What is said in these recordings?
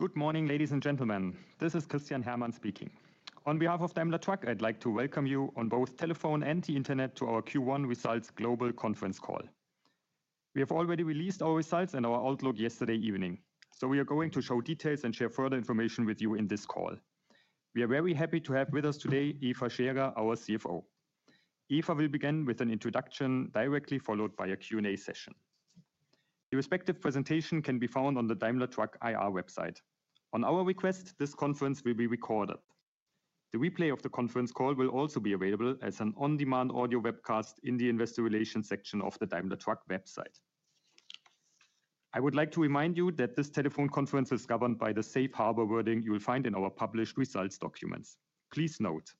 Good morning, ladies and gentlemen. This is Christian Herrmann speaking. On behalf of Daimler Truck, I'd like to welcome you on both telephone and the internet to our Q1 Results Global Conference call. We have already released our results and our outlook yesterday evening, so we are going to show details and share further information with you in this call. We are very happy to have with us today Eva Scherer, our CFO. Eva will begin with an introduction directly followed by a Q&A session. The respective presentation can be found on the Daimler Truck IR website. On our request, this conference will be recorded. The replay of the conference call will also be available as an on-demand audio webcast in the investor relations section of the Daimler Truck website. I would like to remind you that this telephone conference is governed by the safe harbor wording you will find in our published results documents. Please note,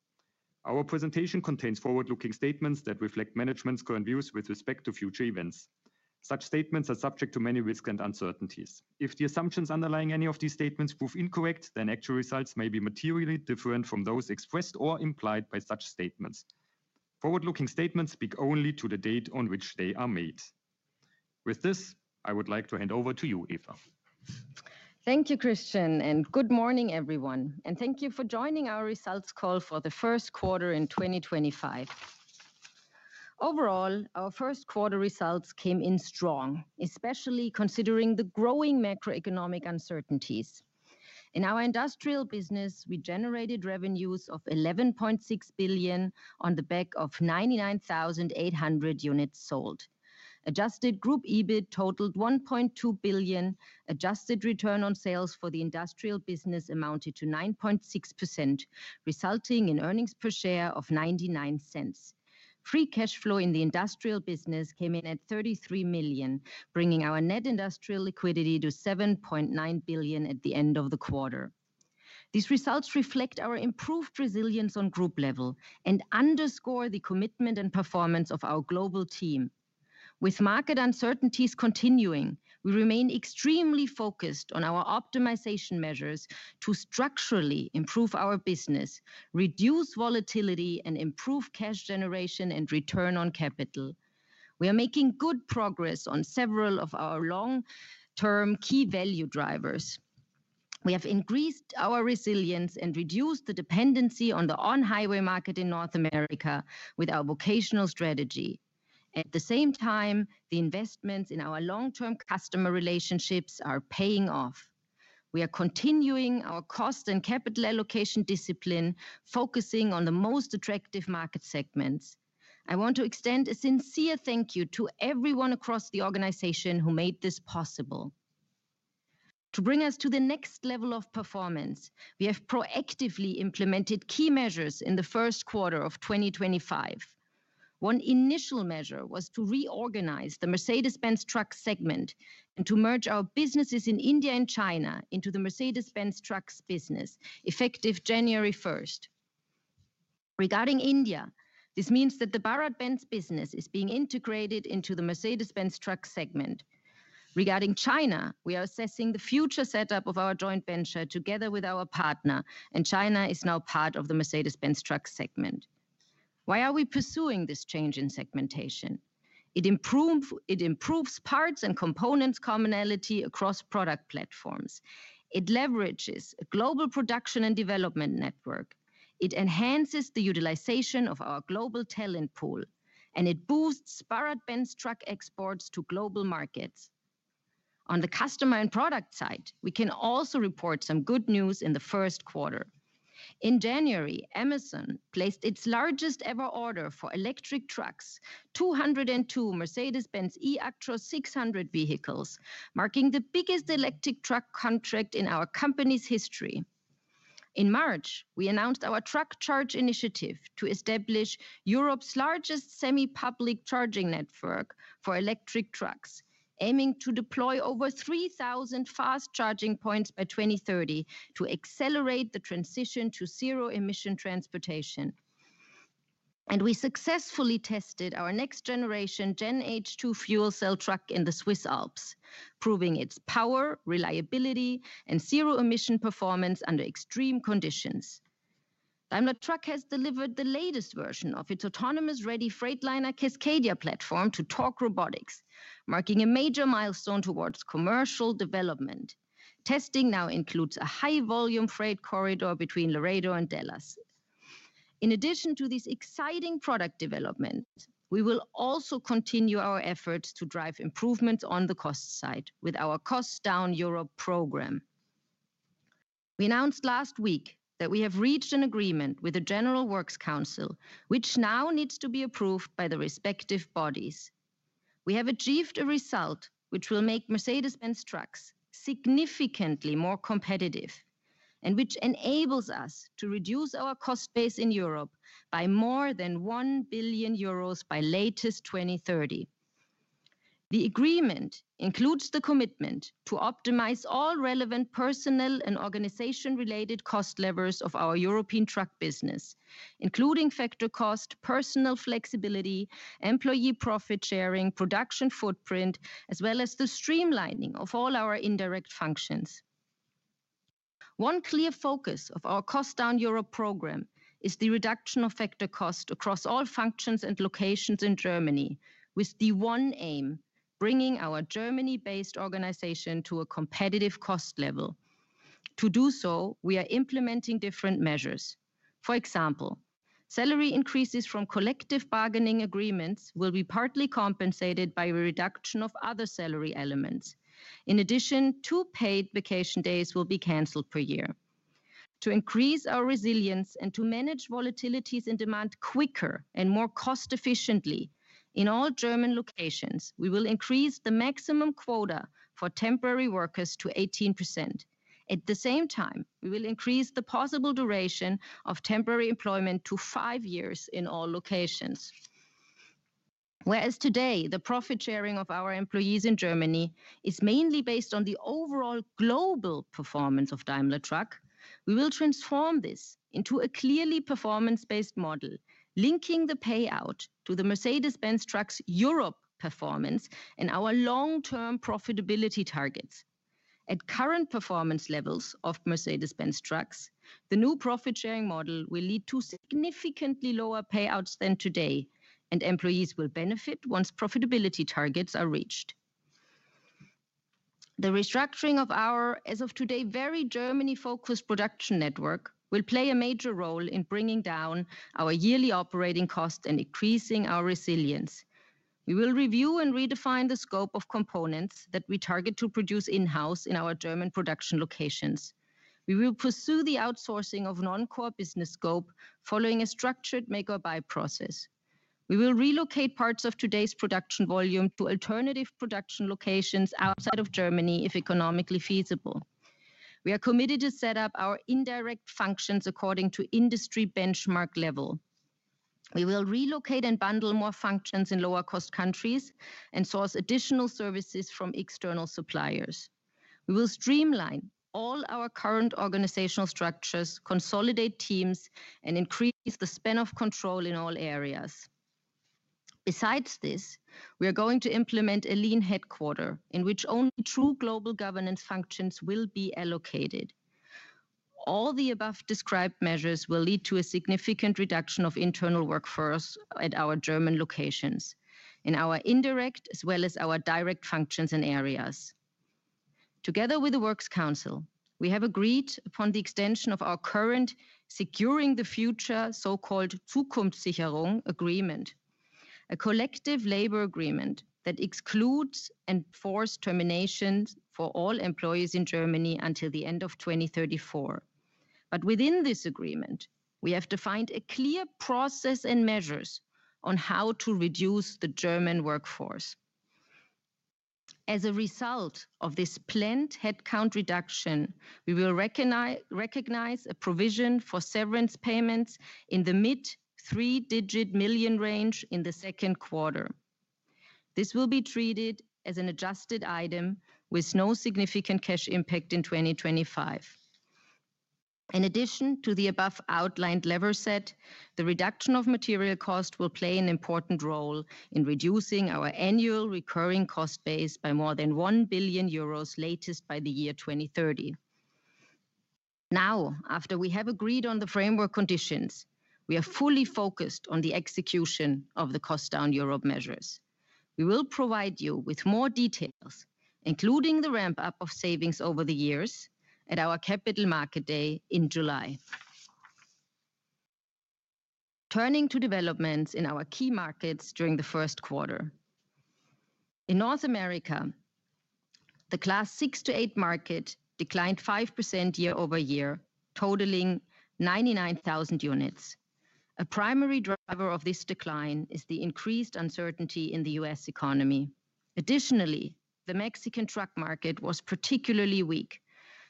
our presentation contains forward-looking statements that reflect management's current views with respect to future events. Such statements are subject to many risks and uncertainties. If the assumptions underlying any of these statements prove incorrect, then actual results may be materially different from those expressed or implied by such statements. Forward-looking statements speak only to the date on which they are made. With this, I would like to hand over to you, Eva. Thank you, Christian, and good morning, everyone. Thank you for joining our results call for the first quarter in 2025. Overall, our first quarter results came in strong, especially considering the growing macroeconomic uncertainties. In our industrial business, we generated revenues of 11.6 billion on the back of 99,800 units sold. Adjusted group EBIT totaled 1.2 billion. Adjusted return on sales for the industrial business amounted to 9.6%, resulting in earnings per share of $0.99. Free cash flow in the industrial business came in at 33 million, bringing our net industrial liquidity to 7.9 billion at the end of the quarter. These results reflect our improved resilience on group level and underscore the commitment and performance of our global team. With market uncertainties continuing, we remain extremely focused on our optimization measures to structurally improve our business, reduce volatility, and improve cash generation and return on capital. We are making good progress on several of our long-term key value drivers. We have increased our resilience and reduced the dependency on the on-highway market in North America with our vocational strategy. At the same time, the investments in our long-term customer relationships are paying off. We are continuing our cost and capital allocation discipline, focusing on the most attractive market segments. I want to extend a sincere thank you to everyone across the organization who made this possible. To bring us to the next level of performance, we have proactively implemented key measures in the first quarter of 2025. One initial measure was to reorganize the Mercedes-Benz Trucks segment and to merge our businesses in India and China into the Mercedes-Benz Trucks business, effective January 1. Regarding India, this means that the BharatBenz business is being integrated into the Mercedes-Benz Trucks segment. Regarding China, we are assessing the future setup of our joint venture together with our partner, and China is now part of the Mercedes-Benz truck segment. Why are we pursuing this change in segmentation? It improves parts and components commonality across product platforms. It leverages a global production and development network. It enhances the utilization of our global talent pool, and it boosts BharatBenz truck exports to global markets. On the customer and product side, we can also report some good news in the first quarter. In January, Amazon placed its largest ever order for electric trucks, 202 Mercedes-Benz eActros 600 vehicles, marking the biggest electric truck contract in our company's history. In March, we announced our Truck Charge initiative to establish Europe's largest semi-public charging network for electric trucks, aiming to deploy over 3,000 fast charging points by 2030 to accelerate the transition to zero-emission transportation. We successfully tested our next generation GenH2 fuel cell truck in the Swiss Alps, proving its power, reliability, and zero-emission performance under extreme conditions. Daimler Truck has delivered the latest version of its autonomous-ready Freightliner Cascadia platform to Torque Robotics, marking a major milestone towards commercial development. Testing now includes a high-volume freight corridor between Laredo and Dallas. In addition to these exciting product developments, we will also continue our efforts to drive improvements on the cost side with our Cost Down Europe program. We announced last week that we have reached an agreement with the General Works Council, which now needs to be approved by the respective bodies. We have achieved a result which will make Mercedes-Benz Trucks significantly more competitive and which enables us to reduce our cost base in Europe by more than 1 billion euros by latest 2030. The agreement includes the commitment to optimize all relevant personnel and organization-related cost levers of our European truck business, including factor cost, personnel flexibility, employee profit sharing, production footprint, as well as the streamlining of all our indirect functions. One clear focus of our Cost Down Europe program is the reduction of factor cost across all functions and locations in Germany, with the one aim: bringing our Germany-based organization to a competitive cost level. To do so, we are implementing different measures. For example, salary increases from collective bargaining agreements will be partly compensated by a reduction of other salary elements. In addition, two paid vacation days will be canceled per year. To increase our resilience and to manage volatilities in demand quicker and more cost-efficiently, in all German locations, we will increase the maximum quota for temporary workers to 18%. At the same time, we will increase the possible duration of temporary employment to five years in all locations. Whereas today the profit sharing of our employees in Germany is mainly based on the overall global performance of Daimler Truck, we will transform this into a clearly performance-based model, linking the payout to the Mercedes-Benz Trucks Europe performance and our long-term profitability targets. At current performance levels of Mercedes-Benz Trucks, the new profit sharing model will lead to significantly lower payouts than today, and employees will benefit once profitability targets are reached. The restructuring of our, as of today, very Germany-focused production network will play a major role in bringing down our yearly operating costs and increasing our resilience. We will review and redefine the scope of components that we target to produce in-house in our German production locations. We will pursue the outsourcing of non-core business scope following a structured make-or-buy process. We will relocate parts of today's production volume to alternative production locations outside of Germany if economically feasible. We are committed to set up our indirect functions according to industry benchmark level. We will relocate and bundle more functions in lower-cost countries and source additional services from external suppliers. We will streamline all our current organizational structures, consolidate teams, and increase the span of control in all areas. Besides this, we are going to implement a lean headquarter in which only true global governance functions will be allocated. All the above-described measures will lead to a significant reduction of internal workforce at our German locations in our indirect as well as our direct functions and areas. Together with the Works Council, we have agreed upon the extension of our current Securing the Future, so-called Zukunftssicherung agreement, a collective labor agreement that excludes and forces terminations for all employees in Germany until the end of 2034. Within this agreement, we have defined a clear process and measures on how to reduce the German workforce. As a result of this planned headcount reduction, we will recognize a provision for severance payments in the mid-three-digit million range in the second quarter. This will be treated as an adjusted item with no significant cash impact in 2025. In addition to the above-outlined lever set, the reduction of material cost will play an important role in reducing our annual recurring cost base by more than 1 billion euros latest by the year 2030. Now, after we have agreed on the framework conditions, we are fully focused on the execution of the Cost Down Europe measures. We will provide you with more details, including the ramp-up of savings over the years at our Capital Market Day in July. Turning to developments in our key markets during the first quarter. In North America, the Class 6-8 market declined 5% year over year, totaling 99,000 units. A primary driver of this decline is the increased uncertainty in the U.S. economy. Additionally, the Mexican truck market was particularly weak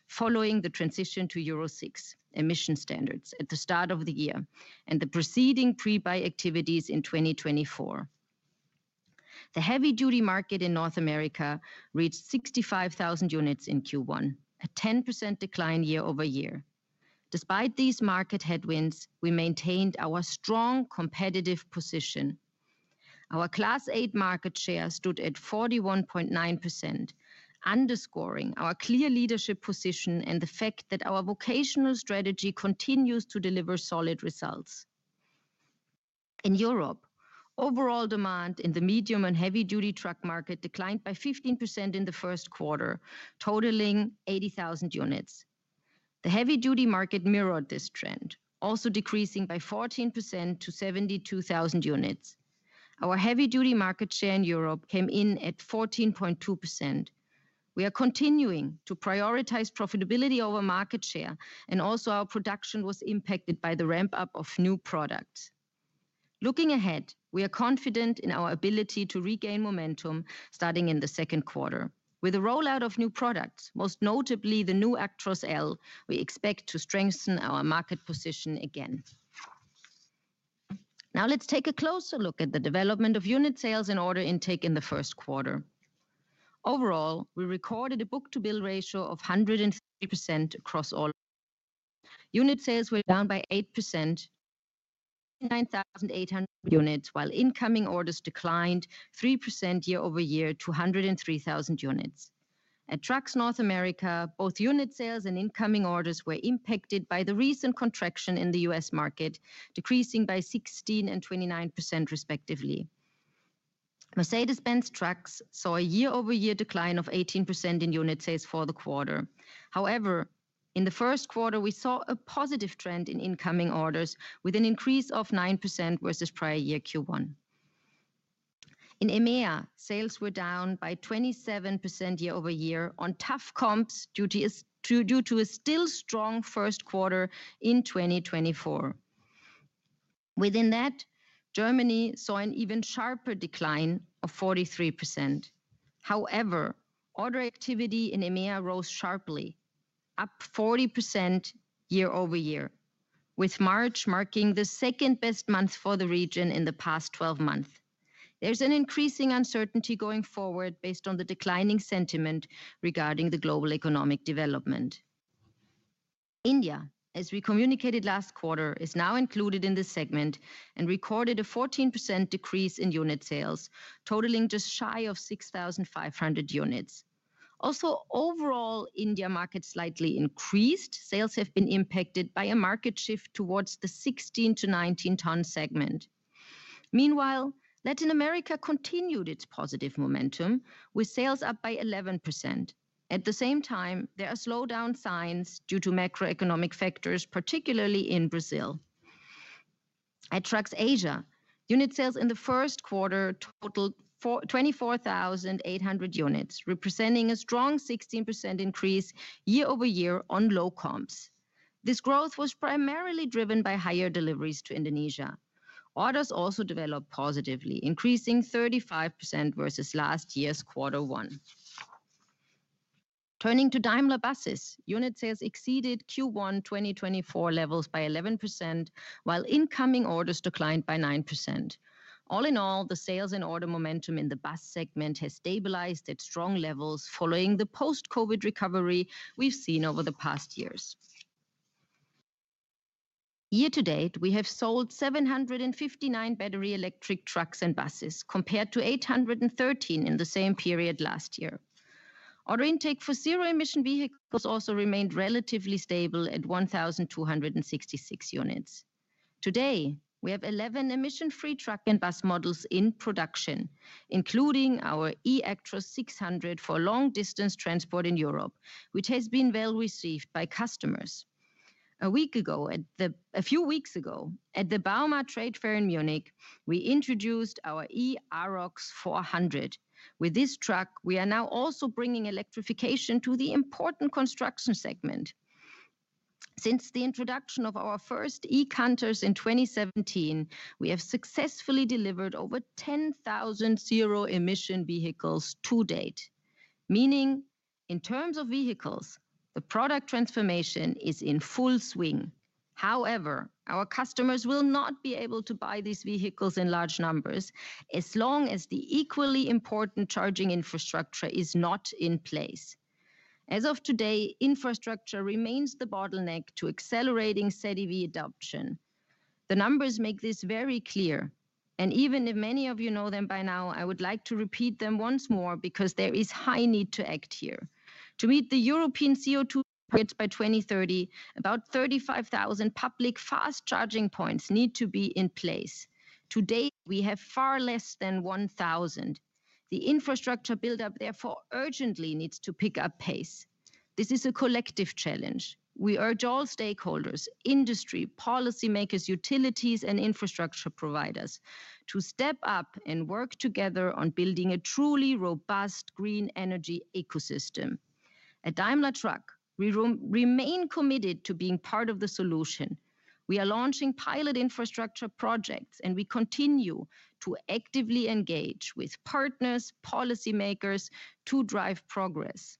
following the transition to Euro 6 emission standards at the start of the year and the preceding pre-buy activities in 2024. The heavy-duty market in North America reached 65,000 units in Q1, a 10% decline year over year. Despite these market headwinds, we maintained our strong competitive position. Our Class 8 market share stood at 41.9%, underscoring our clear leadership position and the fact that our vocational strategy continues to deliver solid results. In Europe, overall demand in the medium and heavy-duty truck market declined by 15% in the first quarter, totaling 80,000 units. The heavy-duty market mirrored this trend, also decreasing by 14% to 72,000 units. Our heavy-duty market share in Europe came in at 14.2%. We are continuing to prioritize profitability over market share, and also our production was impacted by the ramp-up of new products. Looking ahead, we are confident in our ability to regain momentum starting in the second quarter. With the rollout of new products, most notably the new Actros L, we expect to strengthen our market position again. Now let's take a closer look at the development of unit sales and order intake in the first quarter. Overall, we recorded a book-to-build ratio of 103% across all unit sales, which went down by 8% to 29,800 units, while incoming orders declined 3% year over year to 103,000 units. At Trucks North America, both unit sales and incoming orders were impacted by the recent contraction in the U.S. market, decreasing by 16% and 29% respectively. Mercedes-Benz Trucks saw a year-over-year decline of 18% in unit sales for the quarter. However, in the first quarter, we saw a positive trend in incoming orders with an increase of 9% versus prior year Q1. In EMEA, sales were down by 27% year-over-year on tough comps due to a still strong first quarter in 2024. Within that, Germany saw an even sharper decline of 43%. However, order activity in EMEA rose sharply, up 40% year-over-year, with March marking the second-best month for the region in the past 12 months. is an increasing uncertainty going forward based on the declining sentiment regarding the global economic development. India, as we communicated last quarter, is now included in the segment and recorded a 14% decrease in unit sales, totaling just shy of 6,500 units. Also, overall, the India market slightly increased. Sales have been impacted by a market shift towards the 16-19 ton segment. Meanwhile, Latin America continued its positive momentum, with sales up by 11%. At the same time, there are slowdown signs due to macroeconomic factors, particularly in Brazil. At Trucks Asia, unit sales in the first quarter totaled 24,800 units, representing a strong 16% increase year-over-year on low comps. This growth was primarily driven by higher deliveries to Indonesia. Orders also developed positively, increasing 35% versus last year's quarter one. Turning to Daimler Buses, unit sales exceeded Q1 2024 levels by 11%, while incoming orders declined by 9%. All in all, the sales and order momentum in the bus segment has stabilized at strong levels following the post-Covid recovery we have seen over the past years. Year to date, we have sold 759 battery electric trucks and buses, compared to 813 in the same period last year. Order intake for zero-emission vehicles also remained relatively stable at 1,266 units. Today, we have 11 emission-free truck and bus models in production, including our eActros 600 for long-distance transport in Europe, which has been well received by customers. A few weeks ago, at the Bauma Trade Fair in Munich, we introduced our eArocs 400. With this truck, we are now also bringing electrification to the important construction segment. Since the introduction of our first e-counters in 2017, we have successfully delivered over 10,000 zero-emission vehicles to date, meaning in terms of vehicles, the product transformation is in full swing. However, our customers will not be able to buy these vehicles in large numbers as long as the equally important charging infrastructure is not in place. As of today, infrastructure remains the bottleneck to accelerating ZEV adoption. The numbers make this very clear, and even if many of you know them by now, I would like to repeat them once more because there is high need to act here. To meet the European CO2 targets by 2030, about 35,000 public fast charging points need to be in place. Today, we have far less than 1,000. The infrastructure buildup, therefore, urgently needs to pick up pace. This is a collective challenge. We urge all stakeholders, industry, policymakers, utilities, and infrastructure providers to step up and work together on building a truly robust green energy ecosystem. At Daimler Truck, we remain committed to being part of the solution. We are launching pilot infrastructure projects, and we continue to actively engage with partners, policymakers to drive progress.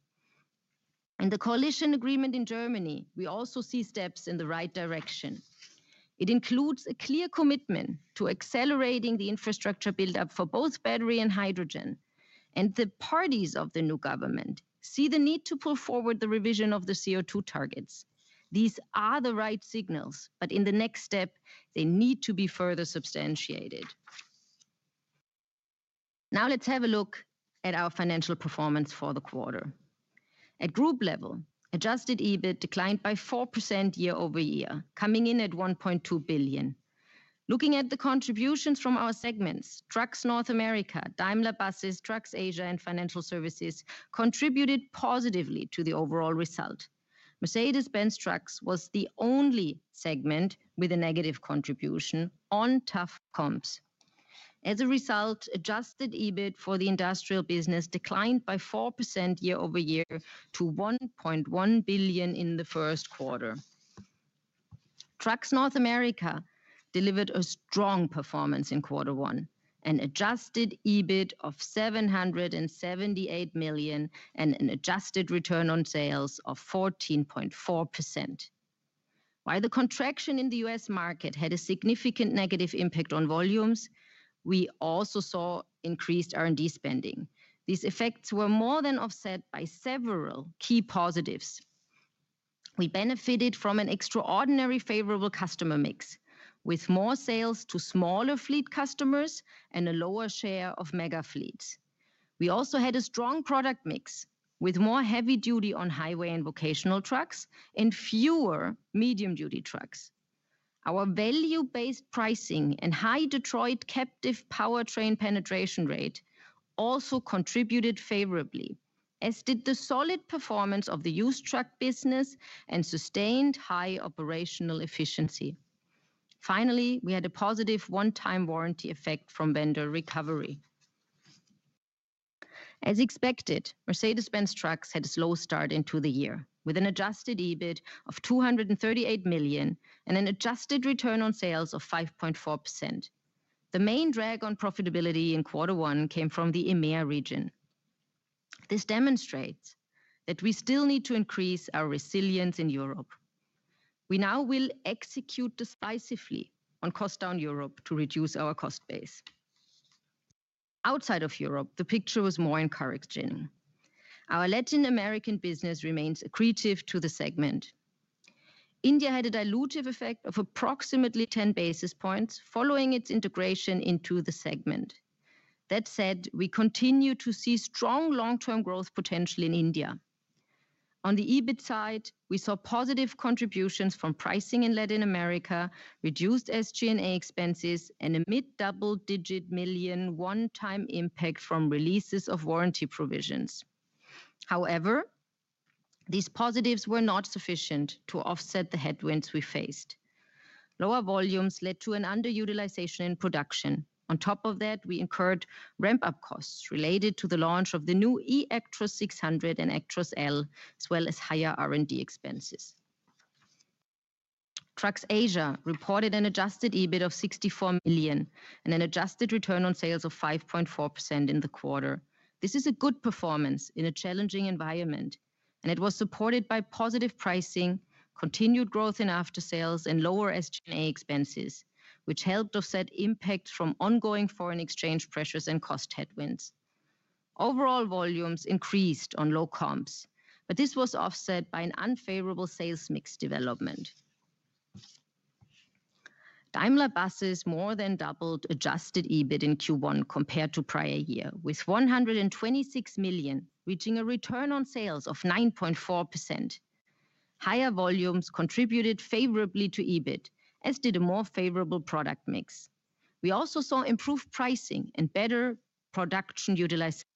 In the coalition agreement in Germany, we also see steps in the right direction. It includes a clear commitment to accelerating the infrastructure buildup for both battery and hydrogen, and the parties of the new government see the need to pull forward the revision of the CO2 targets. These are the right signals, but in the next step, they need to be further substantiated. Now let's have a look at our financial performance for the quarter. At group level, adjusted EBIT declined by 4% year-over-year, coming in at 1.2 billion. Looking at the contributions from our segments, Trucks North America, Daimler Buses, Trucks Asia, and Financial Services contributed positively to the overall result. Mercedes-Benz Trucks was the only segment with a negative contribution on tough comps. As a result, adjusted EBIT for the industrial business declined by 4% year-over-year to 1.1 billion in the first quarter. Trucks North America delivered a strong performance in quarter one, an adjusted EBIT of 778 million, and an adjusted return on sales of 14.4%. While the contraction in the U.S. market had a significant negative impact on volumes, we also saw increased R&D spending. These effects were more than offset by several key positives. We benefited from an extraordinarily favorable customer mix, with more sales to smaller fleet customers and a lower share of mega fleets. We also had a strong product mix with more heavy-duty on-highway and vocational trucks and fewer medium-duty trucks. Our value-based pricing and high Detroit captive powertrain penetration rate also contributed favorably, as did the solid performance of the used truck business and sustained high operational efficiency. Finally, we had a positive one-time warranty effect from vendor recovery. As expected, Mercedes-Benz Trucks had a slow start into the year with an adjusted EBIT of 238 million and an adjusted return on sales of 5.4%. The main drag on profitability in quarter one came from the EMEA region. This demonstrates that we still need to increase our resilience in Europe. We now will execute decisively on Cost Down Europe to reduce our cost base. Outside of Europe, the picture was more encouraging. Our Latin American business remains accretive to the segment. India had a dilutive effect of approximately 10 basis points following its integration into the segment. That said, we continue to see strong long-term growth potential in India. On the EBIT side, we saw positive contributions from pricing in Latin America, reduced SG&A expenses, and a mid-double-digit million one-time impact from releases of warranty provisions. However, these positives were not sufficient to offset the headwinds we faced. Lower volumes led to an underutilization in production. On top of that, we incurred ramp-up costs related to the launch of the new eActros 600 and Actros L, as well as higher R&D expenses. Trucks Asia reported an adjusted EBIT of 64 million and an adjusted return on sales of 5.4% in the quarter. This is a good performance in a challenging environment, and it was supported by positive pricing, continued growth in after-sales, and lower SG&A expenses, which helped offset impacts from ongoing foreign exchange pressures and cost headwinds. Overall volumes increased on low comps, but this was offset by an unfavorable sales mix development. Daimler Buses more than doubled adjusted EBIT in Q1 compared to prior year, with 126 million reaching a return on sales of 9.4%. Higher volumes contributed favorably to EBIT, as did a more favorable product mix. We also saw improved pricing and better production utilization.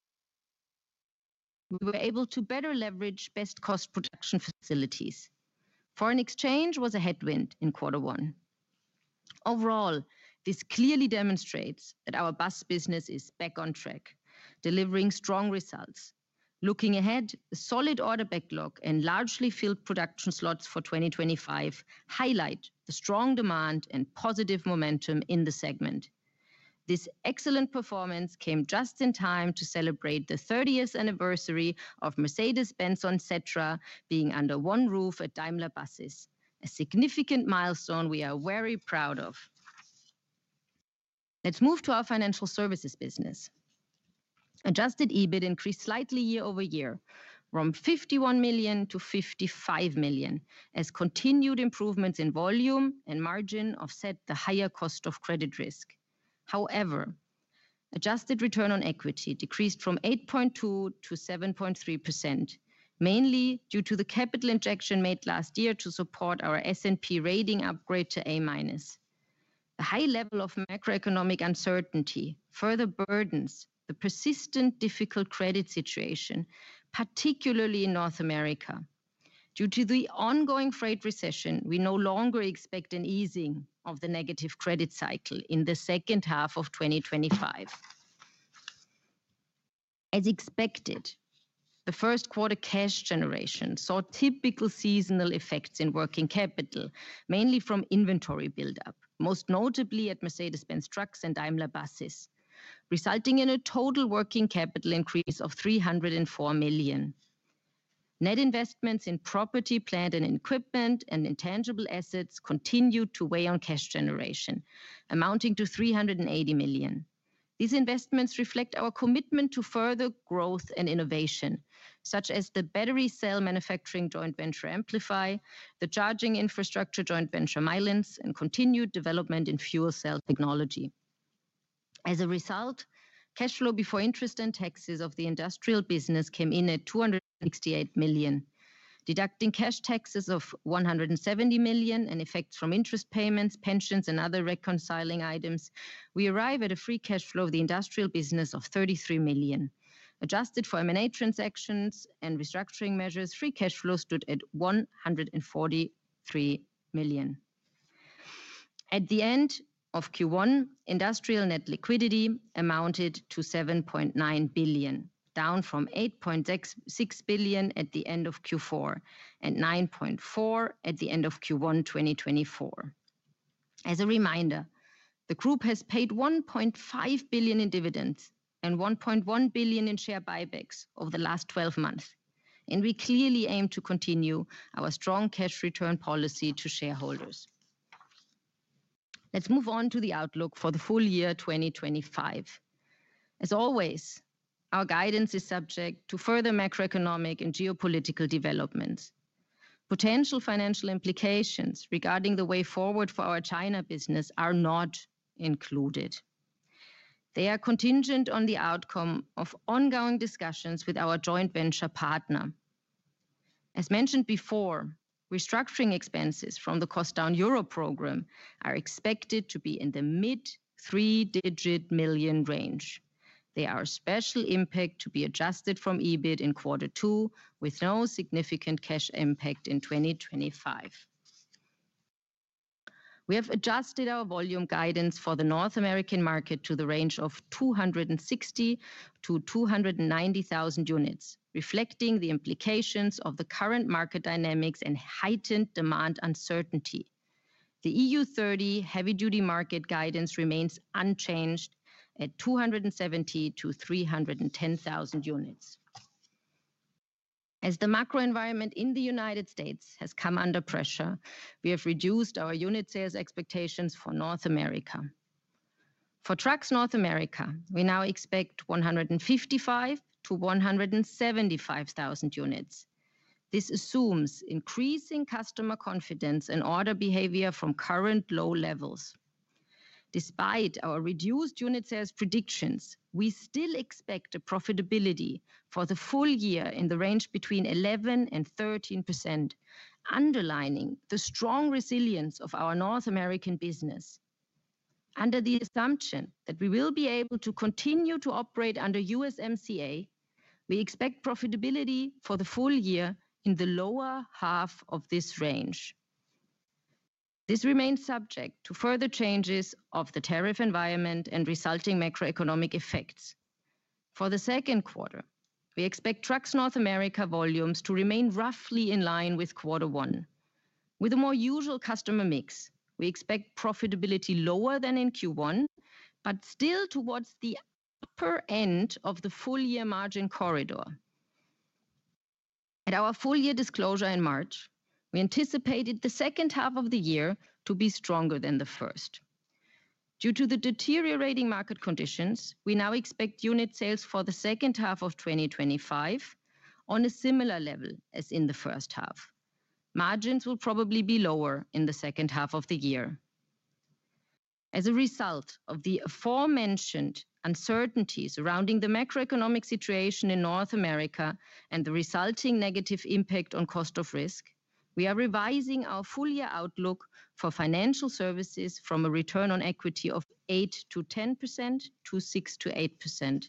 We were able to better leverage best cost production facilities. Foreign exchange was a headwind in quarter one. Overall, this clearly demonstrates that our bus business is back on track, delivering strong results. Looking ahead, a solid order backlog and largely filled production slots for 2025 highlight the strong demand and positive momentum in the segment. This excellent performance came just in time to celebrate the 30th anniversary of Mercedes-Benz and Setra being under one roof at Daimler Buses, a significant milestone we are very proud of. Let's move to our financial services business. Adjusted EBIT increased slightly year-over-year from 51 million to 55 million, as continued improvements in volume and margin offset the higher cost of credit risk. However, adjusted return on equity decreased from 8.2%-7.3%, mainly due to the capital injection made last year to support our S&P rating upgrade to A-. The high level of macroeconomic uncertainty further burdens the persistent difficult credit situation, particularly in North America. Due to the ongoing freight recession, we no longer expect an easing of the negative credit cycle in the second half of 2025. As expected, the first quarter cash generation saw typical seasonal effects in working capital, mainly from inventory buildup, most notably at Mercedes-Benz Trucks and Daimler Buses, resulting in a total working capital increase of 304 million. Net investments in property, plant and equipment, and intangible assets continued to weigh on cash generation, amounting to 380 million. These investments reflect our commitment to further growth and innovation, such as the battery cell manufacturing joint venture Amplify, the charging infrastructure joint venture Milans, and continued development in fuel cell technology. As a result, cash flow before interest and taxes of the industrial business came in at 268 million. Deducting cash taxes of 170 million and effects from interest payments, pensions, and other reconciling items, we arrive at a free cash flow of the industrial business of 33 million. Adjusted for M&A transactions and restructuring measures, free cash flow stood at 143 million. At the end of Q1, industrial net liquidity amounted to 7.9 billion, down from 8.6 billion at the end of Q4 and 9.4 billion at the end of Q1 2024. As a reminder, the group has paid 1.5 billion in dividends and 1.1 billion in share buybacks over the last 12 months, and we clearly aim to continue our strong cash return policy to shareholders. Let's move on to the outlook for the full year 2025. As always, our guidance is subject to further macroeconomic and geopolitical developments. Potential financial implications regarding the way forward for our China business are not included. They are contingent on the outcome of ongoing discussions with our joint venture partner. As mentioned before, restructuring expenses from the Cost Down Europe program are expected to be in the mid-three-digit million range. They are a special impact to be adjusted from EBIT in quarter two, with no significant cash impact in 2025. We have adjusted our volume guidance for the North American market to the range of 260,000-290,000 units, reflecting the implications of the current market dynamics and heightened demand uncertainty. The EU30 heavy-duty market guidance remains unchanged at 270,000-310,000 units. As the macro environment in the U.S. has come under pressure, we have reduced our unit sales expectations for North America. For Trucks North America, we now expect 155,000-175,000 units. This assumes increasing customer confidence and order behavior from current low levels. Despite our reduced unit sales predictions, we still expect a profitability for the full year in the range between 11%-13%, underlining the strong resilience of our North American business. Under the assumption that we will be able to continue to operate under USMCA, we expect profitability for the full year in the lower half of this range. This remains subject to further changes of the tariff environment and resulting macroeconomic effects. For the second quarter, we expect Trucks North America volumes to remain roughly in line with quarter one. With a more usual customer mix, we expect profitability lower than in Q1, but still towards the upper end of the full year margin corridor. At our full year disclosure in March, we anticipated the second half of the year to be stronger than the first. Due to the deteriorating market conditions, we now expect unit sales for the second half of 2025 on a similar level as in the first half. Margins will probably be lower in the second half of the year. As a result of the aforementioned uncertainties surrounding the macroeconomic situation in North America and the resulting negative impact on cost of risk, we are revising our full year outlook for financial services from a return on equity of 8-10% to 6-8%.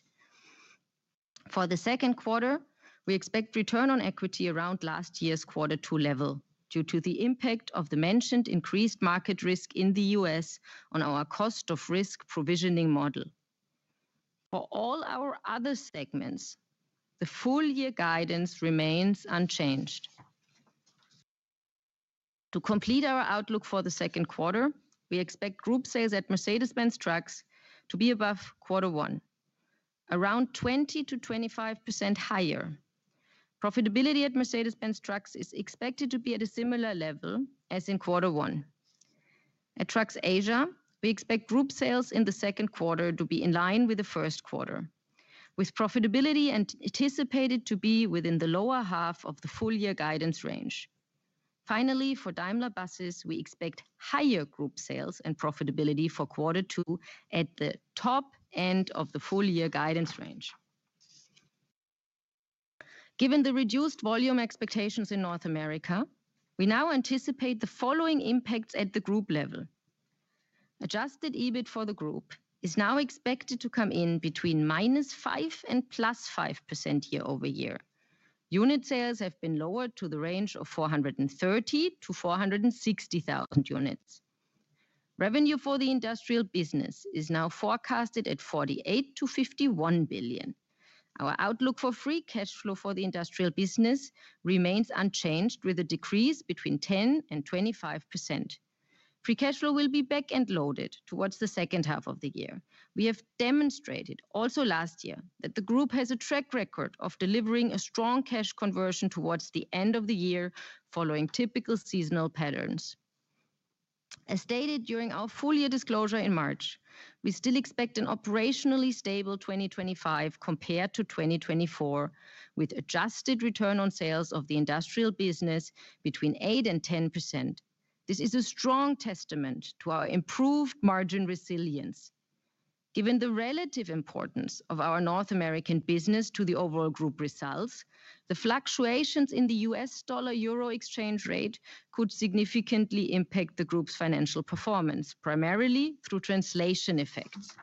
For the second quarter, we expect return on equity around last year's quarter two level due to the impact of the mentioned increased market risk in the U.S. on our cost of risk provisioning model. For all our other segments, the full year guidance remains unchanged. To complete our outlook for the second quarter, we expect group sales at Mercedes-Benz Trucks to be above quarter one, around 20-25% higher. Profitability at Mercedes-Benz Trucks is expected to be at a similar level as in quarter one. At Trucks Asia, we expect group sales in the second quarter to be in line with the first quarter, with profitability anticipated to be within the lower half of the full year guidance range. Finally, for Daimler Buses, we expect higher group sales and profitability for quarter two at the top end of the full year guidance range. Given the reduced volume expectations in North America, we now anticipate the following impacts at the group level. Adjusted EBIT for the group is now expected to come in between -5% and +5% year over year. Unit sales have been lowered to the range of 430,000-460,000 units. Revenue for the industrial business is now forecasted at 48 billion-51 billion. Our outlook for free cash flow for the industrial business remains unchanged, with a decrease between 10%-25%. Free cash flow will be back and loaded towards the second half of the year. We have demonstrated also last year that the group has a track record of delivering a strong cash conversion towards the end of the year following typical seasonal patterns. As stated during our full year disclosure in March, we still expect an operationally stable 2025 compared to 2024, with adjusted return on sales of the industrial business between 8-10%. This is a strong testament to our improved margin resilience. Given the relative importance of our North American business to the overall group results, the fluctuations in the $/EUR exchange rate could significantly impact the group's financial performance, primarily through translation effects.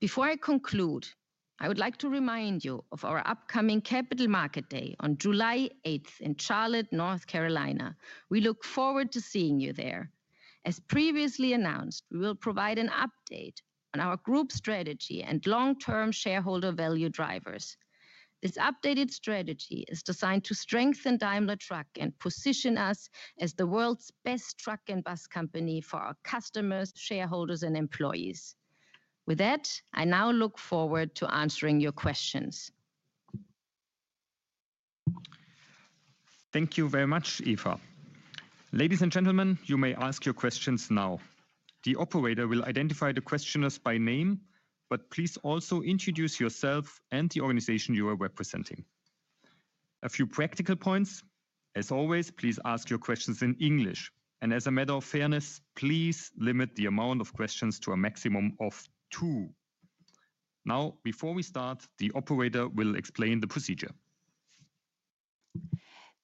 Before I conclude, I would like to remind you of our upcoming Capital Market Day on July 8th in Charlotte, North Carolina. We look forward to seeing you there. As previously announced, we will provide an update on our group strategy and long-term shareholder value drivers. This updated strategy is designed to strengthen Daimler Truck and position us as the world's best truck and bus company for our customers, shareholders, and employees. With that, I now look forward to answering your questions. Thank you very much, Eva. Ladies and gentlemen, you may ask your questions now. The operator will identify the questioners by name, but please also introduce yourself and the organization you are representing. A few practical points. As always, please ask your questions in English. As a matter of fairness, please limit the amount of questions to a maximum of two. Now, before we start, the operator will explain the procedure.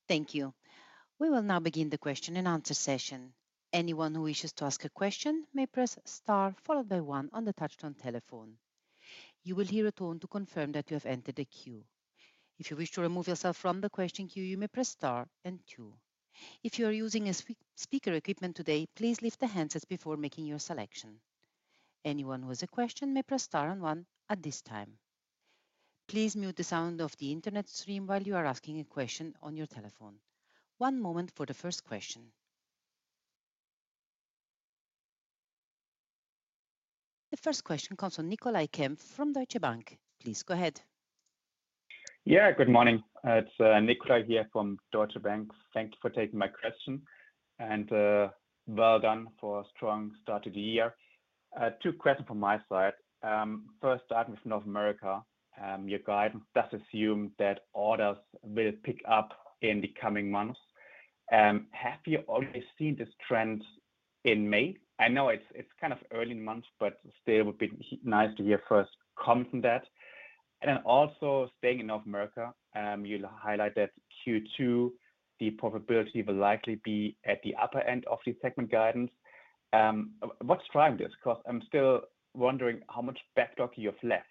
Thank you. We will now begin the question and answer session. Anyone who wishes to ask a question may press star followed by one on the touch-tone telephone. You will hear a tone to confirm that you have entered a queue. If you wish to remove yourself from the question queue, you may press star and two. If you are using speaker equipment today, please lift the handset before making your selection. Anyone who has a question may press star and one at this time. Please mute the sound of the internet stream while you are asking a question on your telephone. One moment for the first question. The first question comes from Nikolai Kempf from Deutsche Bank. Please go ahead. Yeah, good morning. It's Nikolai here from Deutsche Bank. Thank you for taking my question and, well done for a strong start to the year. Two questions from my side. First, starting with North America, your guidance does assume that orders will pick up in the coming months. Have you already seen this trend in May? I know it's kind of early in the month, but still would be nice to hear first comment on that. Also, staying in North America, you highlight that Q2, the probability will likely be at the upper end of the segment guidance. What's driving this? Because I'm still wondering how much backlog you have left.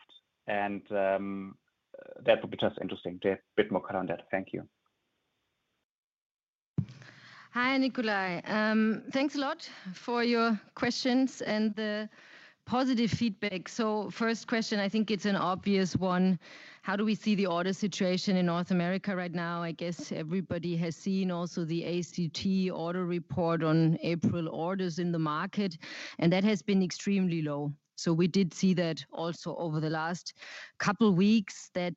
That would be just interesting to have a bit more cut on that. Thank you. Hi, Nikolai. Thanks a lot for your questions and the positive feedback. First question, I think it's an obvious one. How do we see the order situation in North America right now? I guess everybody has seen also the ACT order report on April orders in the market, and that has been extremely low. We did see that also over the last couple of weeks that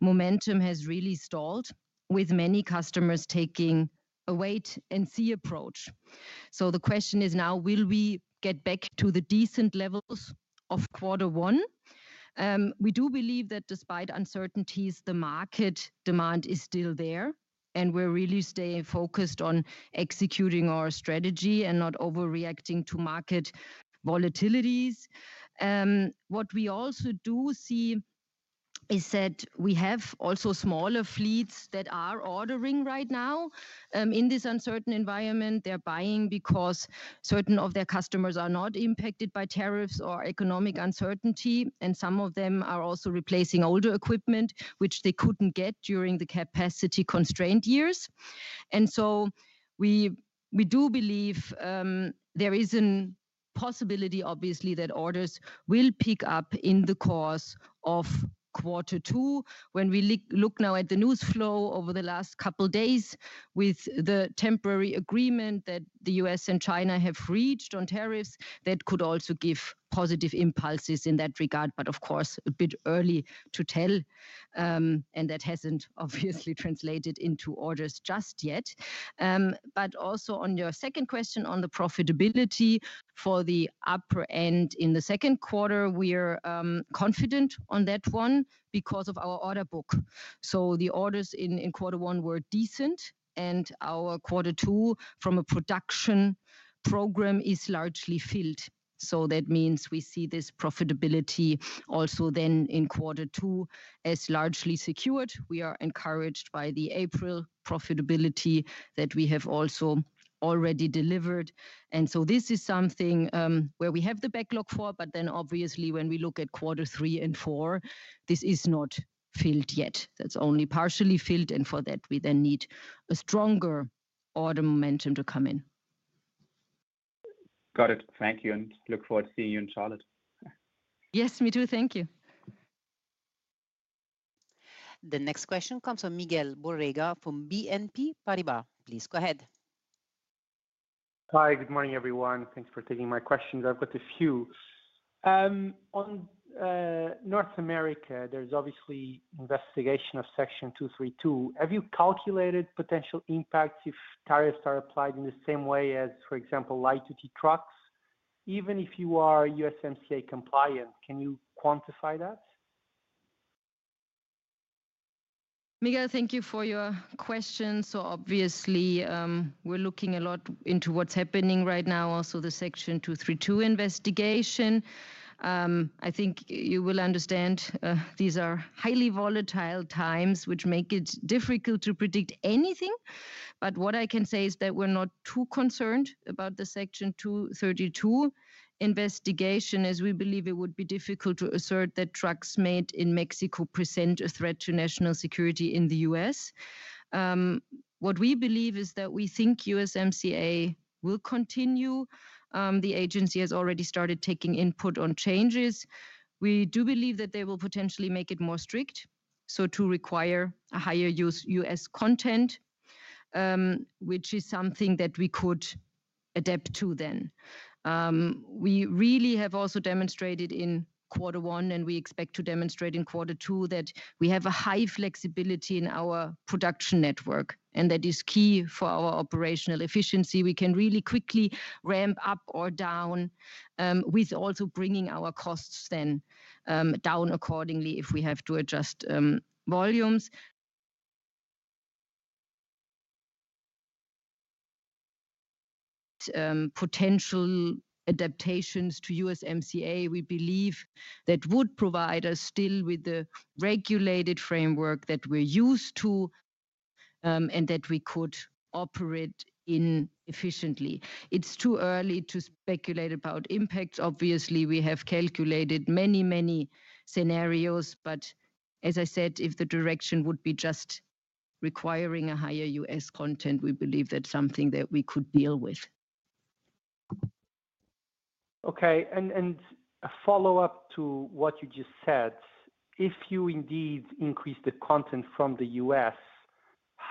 momentum has really stalled with many customers taking a wait-and-see approach. The question is now, will we get back to the decent levels of quarter one? We do believe that despite uncertainties, the market demand is still there, and we're really staying focused on executing our strategy and not overreacting to market volatilities. What we also do see is that we have also smaller fleets that are ordering right now. In this uncertain environment, they're buying because certain of their customers are not impacted by tariffs or economic uncertainty, and some of them are also replacing older equipment, which they couldn't get during the capacity constraint years. We do believe there is a possibility, obviously, that orders will pick up in the course of quarter two. When we look now at the news flow over the last couple of days with the temporary agreement that the U.S. and China have reached on tariffs, that could also give positive impulses in that regard, but of course, a bit early to tell. That has not obviously translated into orders just yet. Also, on your second question on the profitability for the upper end in the second quarter, we are confident on that one because of our order book. The orders in quarter one were decent, and our quarter two from a production program is largely filled. That means we see this profitability also then in quarter two as largely secured. We are encouraged by the April profitability that we have also already delivered. This is something where we have the backlog for, but then obviously when we look at quarter three and four, this is not filled yet. That is only partially filled, and for that, we then need a stronger order momentum to come in. Got it. Thank you, and look forward to seeing you in Charlotte. Yes, me too. Thank you. The next question comes from Miguel Borrega from BNP Paribas. Please go ahead. Hi, good morning, everyone. Thanks for taking my questions. I have got a few. On North America, there is obviously investigation of Section 232. Have you calculated potential impacts if tariffs are applied in the same way as, for example, light-duty trucks? Even if you are USMCA compliant, can you quantify that? Miguel, thank you for your question. Obviously, we're looking a lot into what's happening right now, also the Section 232 investigation. I think you will understand, these are highly volatile times, which make it difficult to predict anything. What I can say is that we're not too concerned about the Section 232 investigation, as we believe it would be difficult to assert that trucks made in Mexico present a threat to national security in the U.S. What we believe is that we think USMCA will continue. The agency has already started taking input on changes. We do believe that they will potentially make it more strict, so to require a higher use U.S. content, which is something that we could adapt to then. We really have also demonstrated in quarter one, and we expect to demonstrate in quarter two that we have a high flexibility in our production network, and that is key for our operational efficiency. We can really quickly ramp up or down, with also bringing our costs then down accordingly if we have to adjust volumes. Potential adaptations to USMCA, we believe that would provide us still with the regulated framework that we're used to, and that we could operate in efficiently. It's too early to speculate about impacts. Obviously, we have calculated many, many scenarios, but as I said, if the direction would be just requiring a higher U.S. content, we believe that's something that we could deal with. Okay. A follow-up to what you just said, if you indeed increase the content from the U.S.,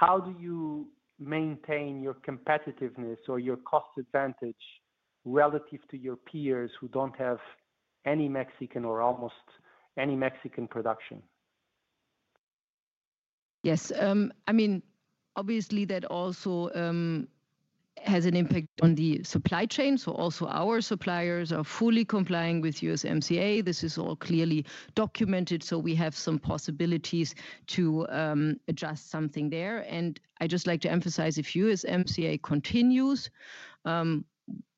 how do you maintain your competitiveness or your cost advantage relative to your peers who do not have any Mexican or almost any Mexican production? Yes. I mean, obviously that also has an impact on the supply chain. Also, our suppliers are fully complying with USMCA. This is all clearly documented, so we have some possibilities to adjust something there. I just like to emphasize if USMCA continues,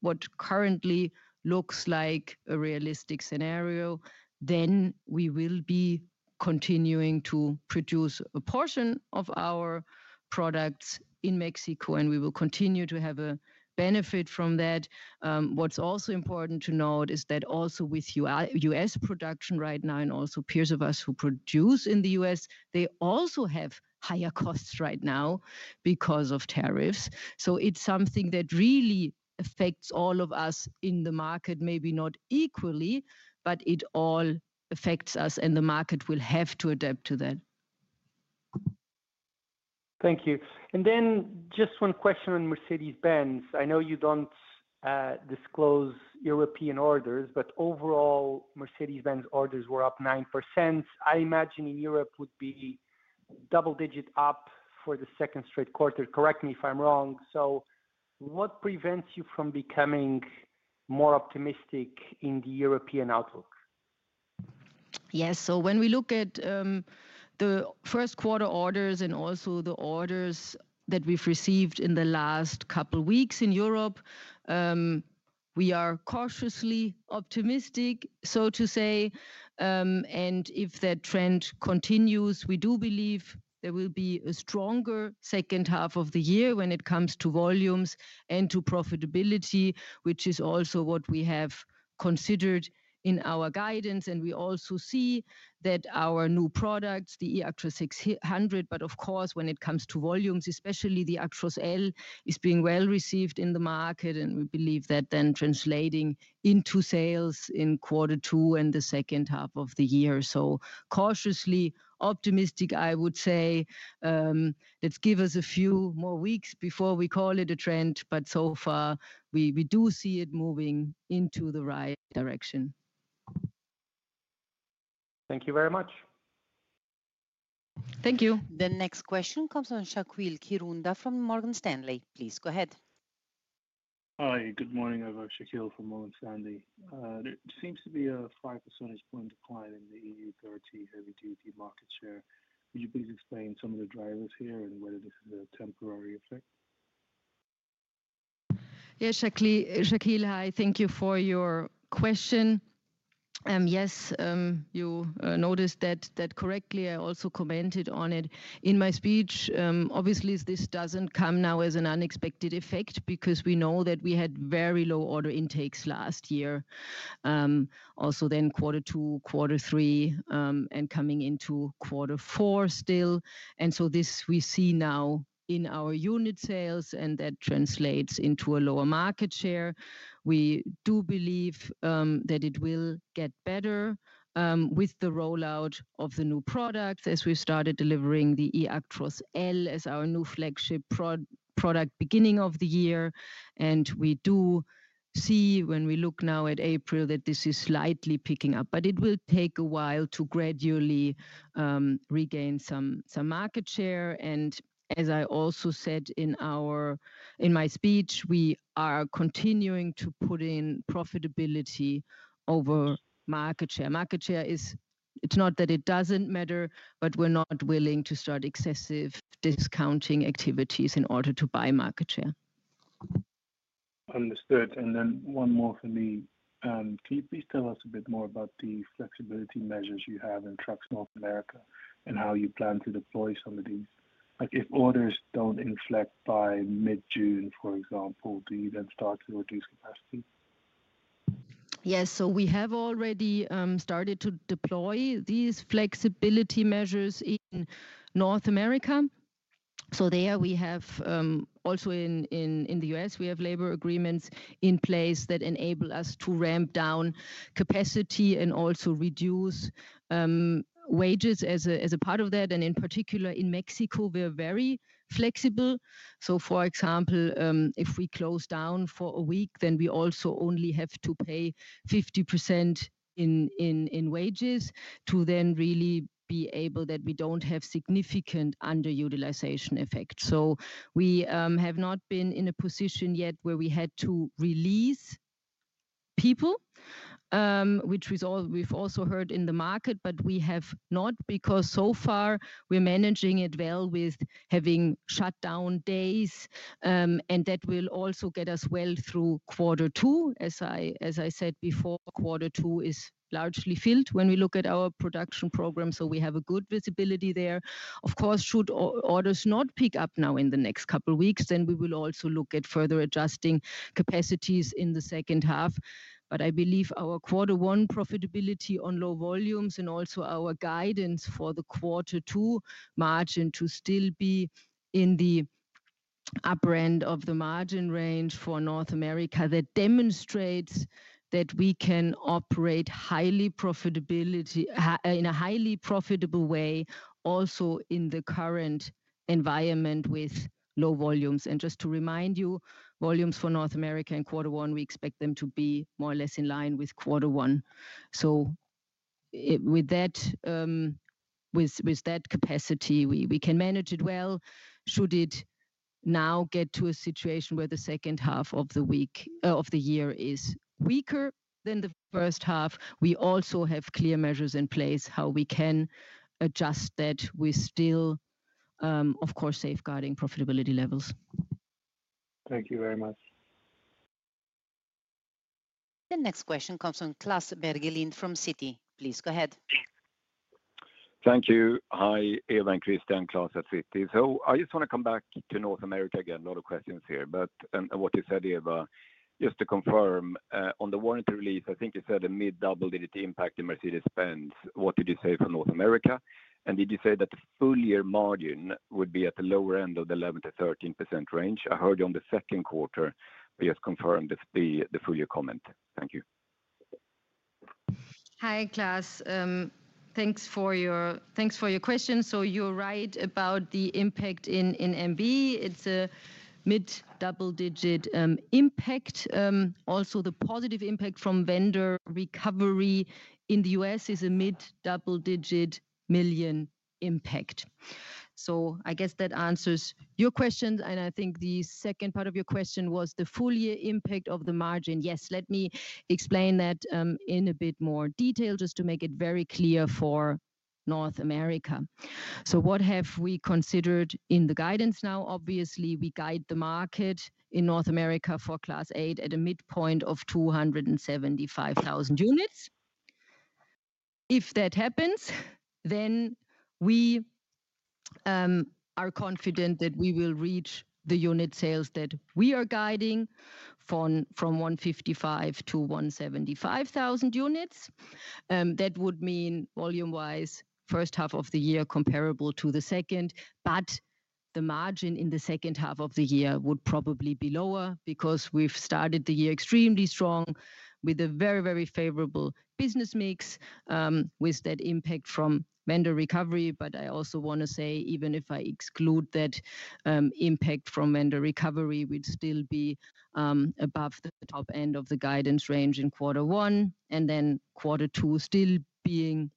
which currently looks like a realistic scenario, then we will be continuing to produce a portion of our products in Mexico, and we will continue to have a benefit from that. What's also important to note is that also with U.S. production right now and also peers of us who produce in the U.S., they also have higher costs right now because of tariffs. It's something that really affects all of us in the market, maybe not equally, but it all affects us, and the market will have to adapt to that. Thank you. Then just one question on Mercedes-Benz. I know you don't disclose European orders, but overall, Mercedes-Benz orders were up 9%. I imagine in Europe would be double-digit up for the second straight quarter. Correct me if I'm wrong. What prevents you from becoming more optimistic in the European outlook? Yes. When we look at the first quarter orders and also the orders that we've received in the last couple of weeks in Europe, we are cautiously optimistic, so to say. If that trend continues, we do believe there will be a stronger second half of the year when it comes to volumes and to profitability, which is also what we have considered in our guidance. We also see that our new products, the eActros 600, but of course, when it comes to volumes, especially the Actros L, is being well received in the market, and we believe that then translating into sales in quarter two and the second half of the year. Cautiously optimistic, I would say. Let's give us a few more weeks before we call it a trend, but so far, we do see it moving into the right direction. Thank you very much. Thank you. The next question comes from Shaqeal Kirunda from Morgan Stanley. Please go ahead. Hi, good morning. I'm Shaqeal from Morgan Stanley. It seems to be a 5 percentage point decline in the EU30 heavy-duty market share. Would you please explain some of the drivers here and whether this is a temporary effect? Yes, Shaqeal, hi. Thank you for your question. Yes, you noticed that correctly. I also commented on it in my speech. Obviously, this does not come now as an unexpected effect because we know that we had very low order intakes last year. Also then quarter two, quarter three, and coming into quarter four still. This we see now in our unit sales, and that translates into a lower market share. We do believe that it will get better, with the rollout of the new product as we started delivering the eActros L as our new flagship product beginning of the year. We do see when we look now at April that this is slightly picking up, but it will take a while to gradually regain some market share. As I also said in my speech, we are continuing to put in profitability over market share. Market share is, it's not that it doesn't matter, but we're not willing to start excessive discounting activities in order to buy market share. Understood. One more for me. Can you please tell us a bit more about the flexibility measures you have in Trucks North America and how you plan to deploy some of these? Like, if orders do not inflect by mid-June, for example, do you then start to reduce capacity? Yes. We have already started to deploy these flexibility measures in North America. There we have, also in the U.S., we have labor agreements in place that enable us to ramp down capacity and also reduce wages as a part of that. In particular, in Mexico, we are very flexible. For example, if we close down for a week, then we also only have to pay 50% in wages to then really be able that we do not have significant underutilization effect. We have not been in a position yet where we had to release people, which we have also heard in the market, but we have not because so far we are managing it well with having shutdown days, and that will also get us well through quarter two. As I said before, quarter two is largely filled when we look at our production program. We have good visibility there. Of course, should orders not pick up now in the next couple of weeks, we will also look at further adjusting capacities in the second half. I believe our quarter one profitability on low volumes and also our guidance for the quarter two margin to still be in the upper end of the margin range for North America demonstrates that we can operate highly profitably in a highly profitable way also in the current environment with low volumes. Just to remind you, volumes for North America in quarter one, we expect them to be more or less in line with quarter one. With that capacity, we can manage it well. Should it now get to a situation where the second half of the year is weaker than the first half, we also have clear measures in place how we can adjust that. We're still, of course, safeguarding profitability levels. Thank you very much. The next question comes from Klas Bergelind from Citi. Please go ahead. Thank you. Hi, Eva and Christian, Klas at Citi. I just want to come back to North America again. A lot of questions here, but what you said, Eva, just to confirm, on the warranty release, I think you said a mid-double-digit impact in Mercedes-Benz. What did you say for North America? Did you say that the full year margin would be at the lower end of the 11%-13% range? I heard you on the second quarter. Just confirm the full year comment. Thank you. Hi, Klas. Thanks for your question. You're right about the impact in MB. It's a mid-double-digit impact. Also, the positive impact from vendor recovery in the U.S. is a mid-double-digit million impact. I guess that answers your question. I think the second part of your question was the full year impact of the margin. Yes, let me explain that in a bit more detail just to make it very clear for North America. What have we considered in the guidance now? Obviously, we guide the market in North America for Class 8 at a midpoint of 275,000 units. If that happens, then we are confident that we will reach the unit sales that we are guiding from 155,000-175,000 units. That would mean volume-wise, first half of the year comparable to the second, but the margin in the second half of the year would probably be lower because we've started the year extremely strong with a very, very favorable business mix, with that impact from vendor recovery. I also want to say, even if I exclude that impact from vendor recovery, we'd still be above the top end of the guidance range in quarter one, and then quarter two still being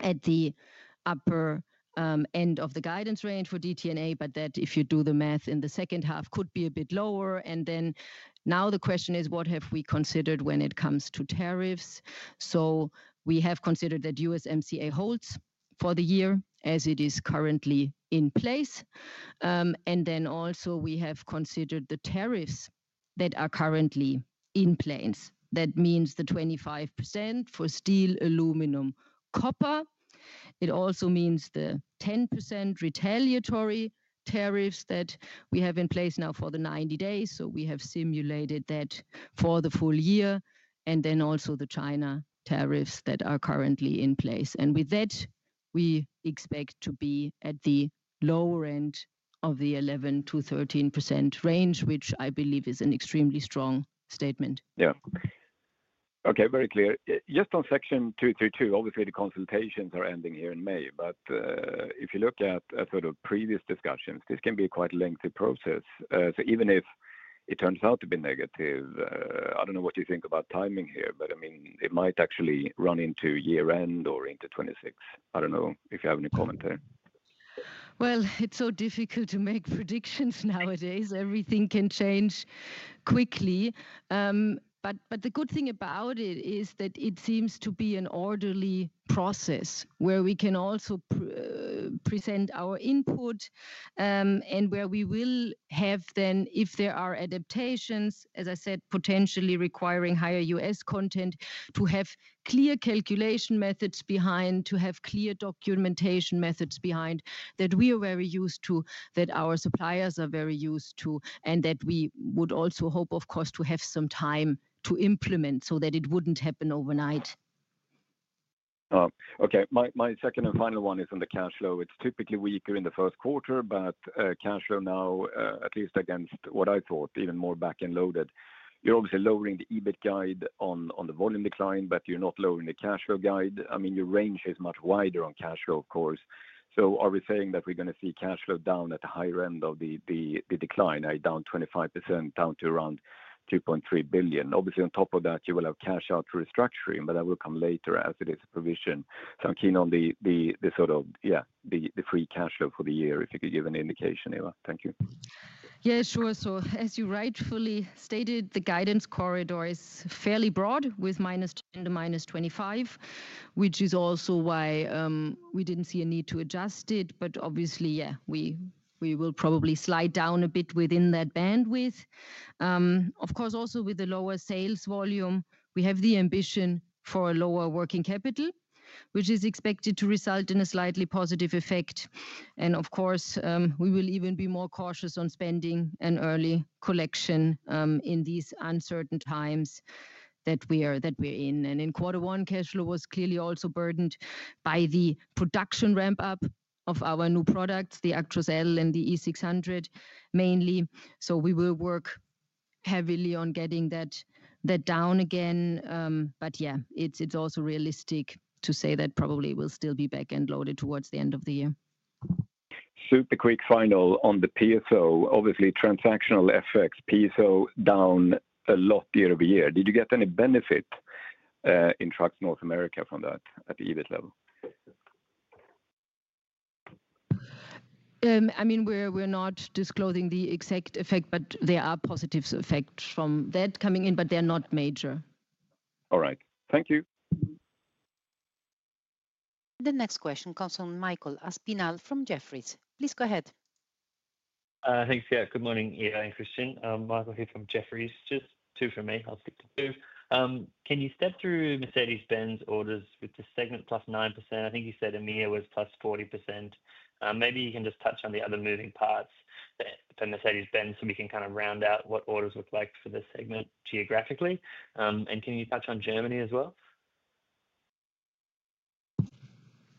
at the upper end of the guidance range for DTNA, but if you do the math in the second half, could be a bit lower. Now the question is, what have we considered when it comes to tariffs? We have considered that USMCA holds for the year as it is currently in place. We have considered the tariffs that are currently in place. That means the 25% for steel, aluminum, copper. It also means the 10% retaliatory tariffs that we have in place now for the 90 days. We have simulated that for the full year and the China tariffs that are currently in place. With that, we expect to be at the lower end of the 11%-13% range, which I believe is an extremely strong statement. Yeah. Okay, very clear. Just on Section 232, obviously the consultations are ending here in May, but if you look at sort of previous discussions, this can be a quite lengthy process. Even if it turns out to be negative, I do not know what you think about timing here, but I mean, it might actually run into year-end or into 2026. I don't know if you have any comment there. It's so difficult to make predictions nowadays. Everything can change quickly. The good thing about it is that it seems to be an orderly process where we can also present our input and where we will have then, if there are adaptations, as I said, potentially requiring higher U.S. content, to have clear calculation methods behind, to have clear documentation methods behind that we are very used to, that our suppliers are very used to, and that we would also hope, of course, to have some time to implement so that it wouldn't happen overnight. Okay, my second and final one is on the cash flow. It's typically weaker in the first quarter, but cash flow now, at least against what I thought, even more back and loaded. You're obviously lowering the EBIT guide on the volume decline, but you're not lowering the cash flow guide. I mean, your range is much wider on cash flow, of course. Are we saying that we're going to see cash flow down at the higher end of the decline? Down 25%, down to around 2.3 billion. Obviously, on top of that, you will have cash out to restructuring, but that will come later as it is a provision. I'm keen on the sort of, yeah, the free cash flow for the year, if you could give an indication, Eva. Thank you. Yeah, sure. As you rightfully stated, the guidance corridor is fairly broad with minus 10% to minus 25%, which is also why we did not see a need to adjust it. Obviously, yeah, we will probably slide down a bit within that bandwidth. Of course, also with the lower sales volume, we have the ambition for a lower working capital, which is expected to result in a slightly positive effect. Of course, we will even be more cautious on spending and early collection in these uncertain times that we're in. In quarter one, cash flow was clearly also burdened by the production ramp-up of our new products, the Actros L and the eActros 600 mainly. We will work heavily on getting that down again. Yeah, it's also realistic to say that probably will still be back and loaded towards the end of the year. Super quick final on the PSO. Obviously, transactional effects, PSO down a lot year-over-year. Did you get any benefit in Trucks North America from that at the EBIT level? I mean, we're not disclosing the exact effect, but there are positive effects from that coming in, but they're not major. All right. Thank you. The next question comes from Michael Aspinal from Jefferies. Please go ahead. Thanks. Yes, good morning, Eva and Christian. Michael here from Jefferies. Just two from me. I'll stick to two. Can you step through Mercedes-Benz orders with the segment plus 9%? I think you said EMEA was plus 40%. Maybe you can just touch on the other moving parts for Mercedes-Benz so we can kind of round out what orders look like for this segment geographically. Can you touch on Germany as well?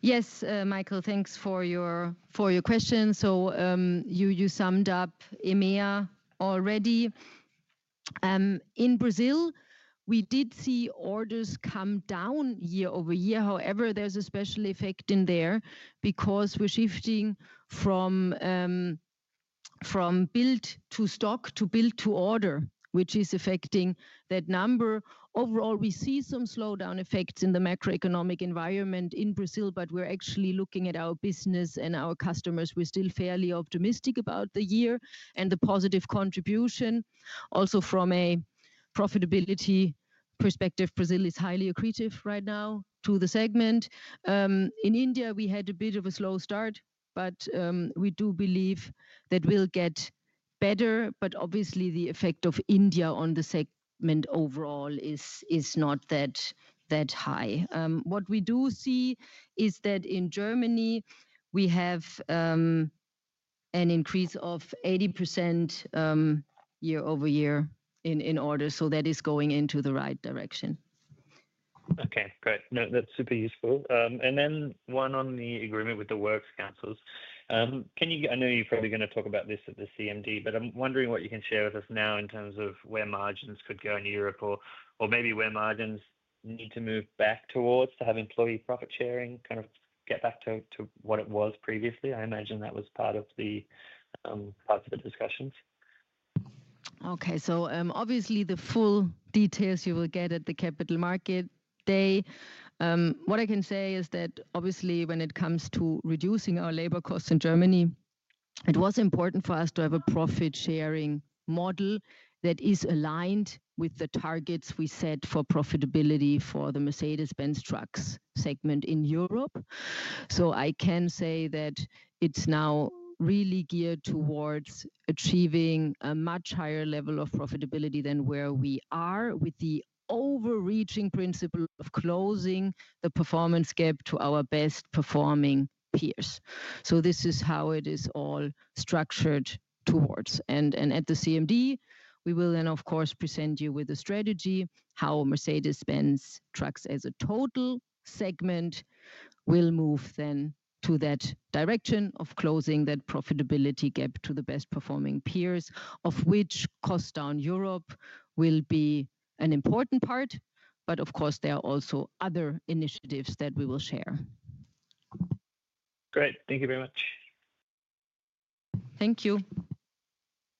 Yes, Michael, thanks for your question. You summed up EMEA already. In Brazil, we did see orders come down year over year. However, there's a special effect in there because we're shifting from build to stock to build to order, which is affecting that number. Overall, we see some slowdown effects in the macroeconomic environment in Brazil, but we're actually looking at our business and our customers. We're still fairly optimistic about the year and the positive contribution. Also, from a profitability perspective, Brazil is highly accretive right now to the segment. In India, we had a bit of a slow start, but we do believe that we'll get better. Obviously, the effect of India on the segment overall is not that high. What we do see is that in Germany, we have an increase of 80% year over year in order. That is going into the right direction. Okay, great. No, that's super useful. And then one on the agreement with the works councils. Can you get, I know you're probably going to talk about this at the CMD, but I'm wondering what you can share with us now in terms of where margins could go in Europe or maybe where margins need to move back towards to have employee profit sharing kind of get back to what it was previously. I imagine that was part of the parts of the discussions. Okay. Obviously, the full details you will get at the Capital Market Day. What I can say is that obviously, when it comes to reducing our labor costs in Germany, it was important for us to have a profit sharing model that is aligned with the targets we set for profitability for the Mercedes-Benz Trucks segment in Europe. I can say that it is now really geared towards achieving a much higher level of profitability than where we are, with the overreaching principle of closing the performance gap to our best performing peers. This is how it is all structured towards. At the CMD, we will then, of course, present you with a strategy how Mercedes-Benz Trucks as a total segment will move in that direction of closing that profitability gap to the best performing peers, of which Cost Down Europe will be an important part. Of course, there are also other initiatives that we will share. Great. Thank you very much. Thank you.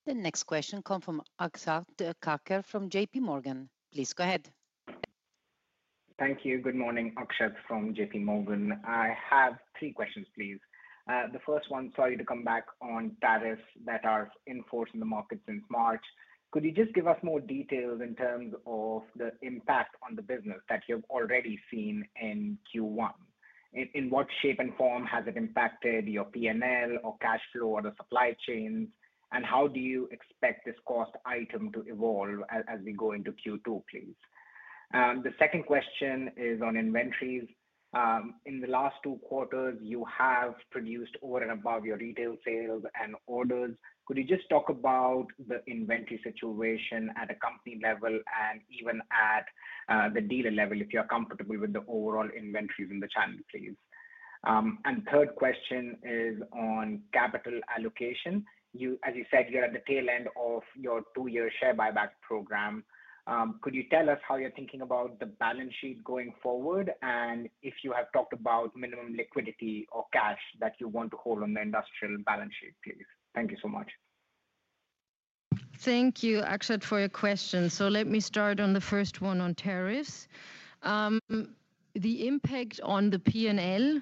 The next question comes from Akshat Kacker from JP Morgan. Please go ahead. Thank you. Good morning, Akshat from JP Morgan. I have three questions, please. The first one is sorry to come back on tariffs that are in force in the market since March. Could you just give us more details in terms of the impact on the business that you have already seen in Q1? In what shape and form has it impacted your P&L or cash flow or the supply chains? How do you expect this cost item to evolve as we go into Q2, please? The second question is on inventories. In the last two quarters, you have produced over and above your retail sales and orders. Could you just talk about the inventory situation at a company level and even at the dealer level if you're comfortable with the overall inventories in the channel, please? The third question is on capital allocation. You, as you said, you're at the tail end of your two-year share buyback program. Could you tell us how you're thinking about the balance sheet going forward and if you have talked about minimum liquidity or cash that you want to hold on the industrial balance sheet, please? Thank you so much. Thank you, Akshat, for your question. Let me start on the first one on tariffs. The impact on the P&L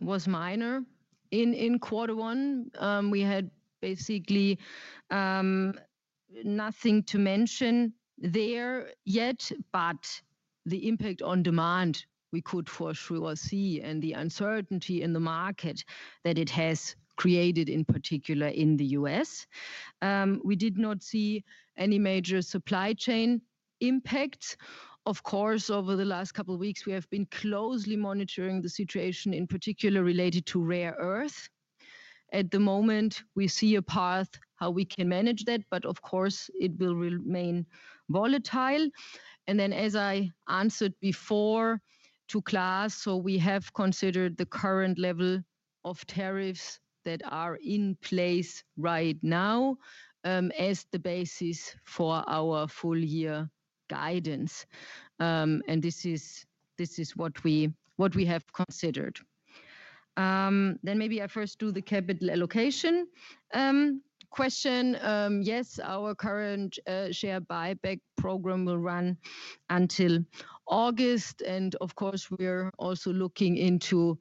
was minor. In quarter one, we had basically nothing to mention there yet, but the impact on demand, we could for sure see and the uncertainty in the market that it has created in particular in the U.S. We did not see any major supply chain impact. Of course, over the last couple of weeks, we have been closely monitoring the situation in particular related to rare earth. At the moment, we see a path how we can manage that, but of course, it will remain volatile. As I answered before to Klas, we have considered the current level of tariffs that are in place right now as the basis for our full-year guidance. This is what we have considered. Maybe I first do the capital allocation question. Yes, our current share buyback program will run until August. Of course, we are also looking into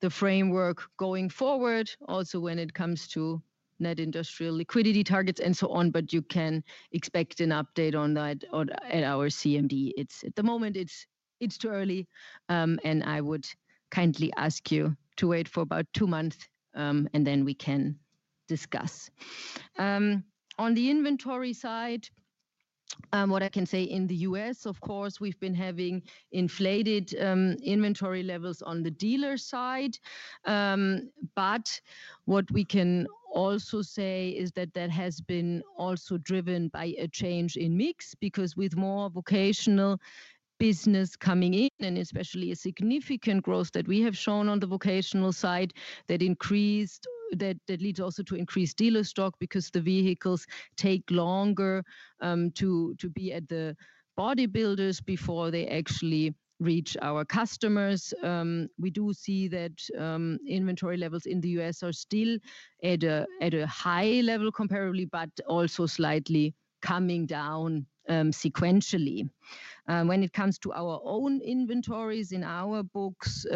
the framework going forward, also when it comes to net industrial liquidity targets and so on. You can expect an update on that at our CMD. At the moment, it is too early. I would kindly ask you to wait for about two months and then we can discuss. On the inventory side, what I can say in the U.S., of course, we have been having inflated inventory levels on the dealer side. What we can also say is that has been also driven by a change in mix because with more vocational business coming in and especially a significant growth that we have shown on the vocational side, that leads also to increased dealer stock because the vehicles take longer to be at the bodybuilders before they actually reach our customers. We do see that inventory levels in the U.S. are still at a high level comparably, but also slightly coming down sequentially. When it comes to our own inventories in our books,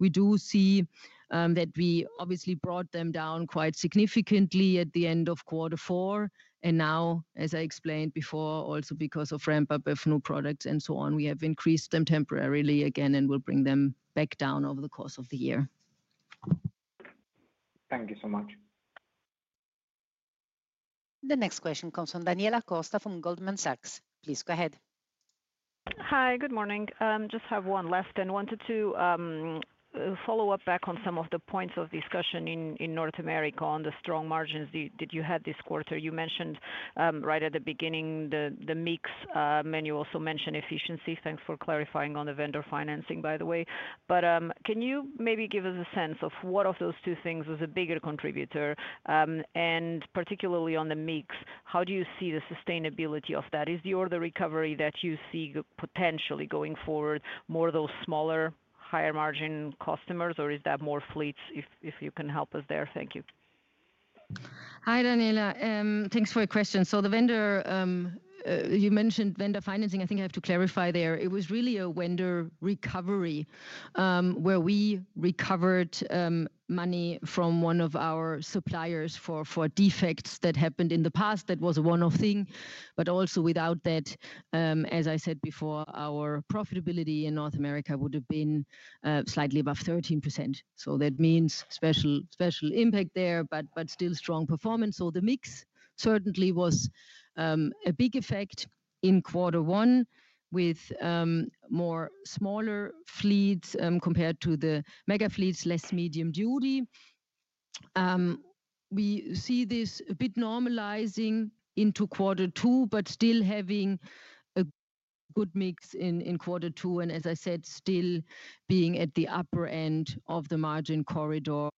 we do see that we obviously brought them down quite significantly at the end of quarter four. Now, as I explained before, also because of ramp-up of new products and so on, we have increased them temporarily again and will bring them back down over the course of the year. Thank you so much. The next question comes from Daniela Costa from Goldman Sachs. Please go ahead. Hi, good morning. I just have one last and wanted to follow up back on some of the points of discussion in North America on the strong margins that you had this quarter. You mentioned right at the beginning the mix, you also mentioned efficiency. Thanks for clarifying on the vendor financing, by the way. Can you maybe give us a sense of what of those two things was a bigger contributor, and particularly on the mix? How do you see the sustainability of that? Is the order recovery that you see potentially going forward more of those smaller, higher margin customers, or is that more fleets if you can help us there? Thank you. Hi, Daniela. Thanks for your question. The vendor, you mentioned vendor financing. I think I have to clarify there. It was really a vendor recovery, where we recovered money from one of our suppliers for defects that happened in the past. That was a one-off thing. Also, without that, as I said before, our profitability in North America would have been slightly above 13%. That means special impact there, but still strong performance. The mix certainly was a big effect in quarter one with more smaller fleets compared to the mega fleets, less medium duty. We see this a bit normalizing into quarter two, but still having a good mix in quarter two and, as I said, still being at the upper end of the margin corridor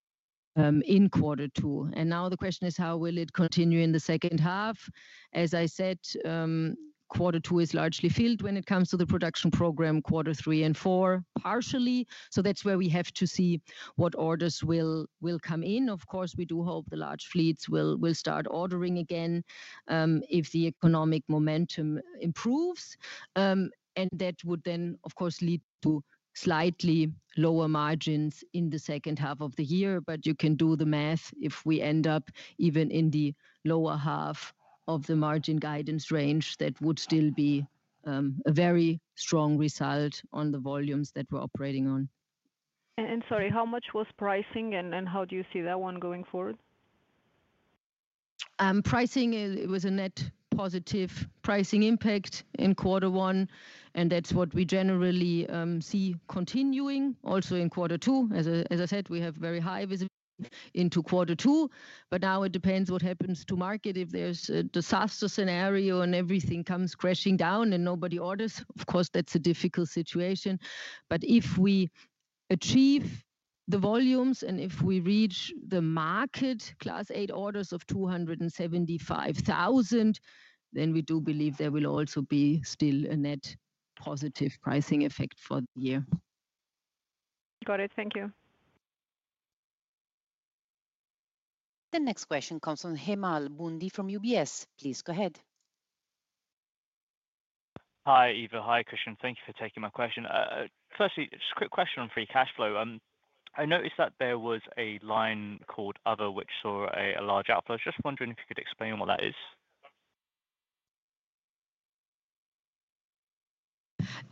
in quarter two. Now the question is, how will it continue in the second half? As I said, quarter two is largely filled when it comes to the production program, quarter three and four partially. That is where we have to see what orders will come in. Of course, we do hope the large fleets will start ordering again if the economic momentum improves. That would then, of course, lead to slightly lower margins in the second half of the year. You can do the math if we end up even in the lower half of the margin guidance range, that would still be a very strong result on the volumes that we are operating on. Sorry, how much was pricing and how do you see that one going forward? Pricing was a net positive pricing impact in quarter one. That is what we generally see continuing also in quarter two. As I said, we have very high visibility into quarter two. Now it depends what happens to market. If there's a disaster scenario and everything comes crashing down and nobody orders, of course, that's a difficult situation. If we achieve the volumes and if we reach the market class 8 orders of 275,000, we do believe there will also be still a net positive pricing effect for the year. Got it. Thank you. The next question comes from Hemal Bhundia from UBS. Please go ahead. Hi, Eva. Hi, Christian. Thank you for taking my question. Firstly, just a quick question on free cash flow. I noticed that there was a line called other, which saw a large outflow. Just wondering if you could explain what that is.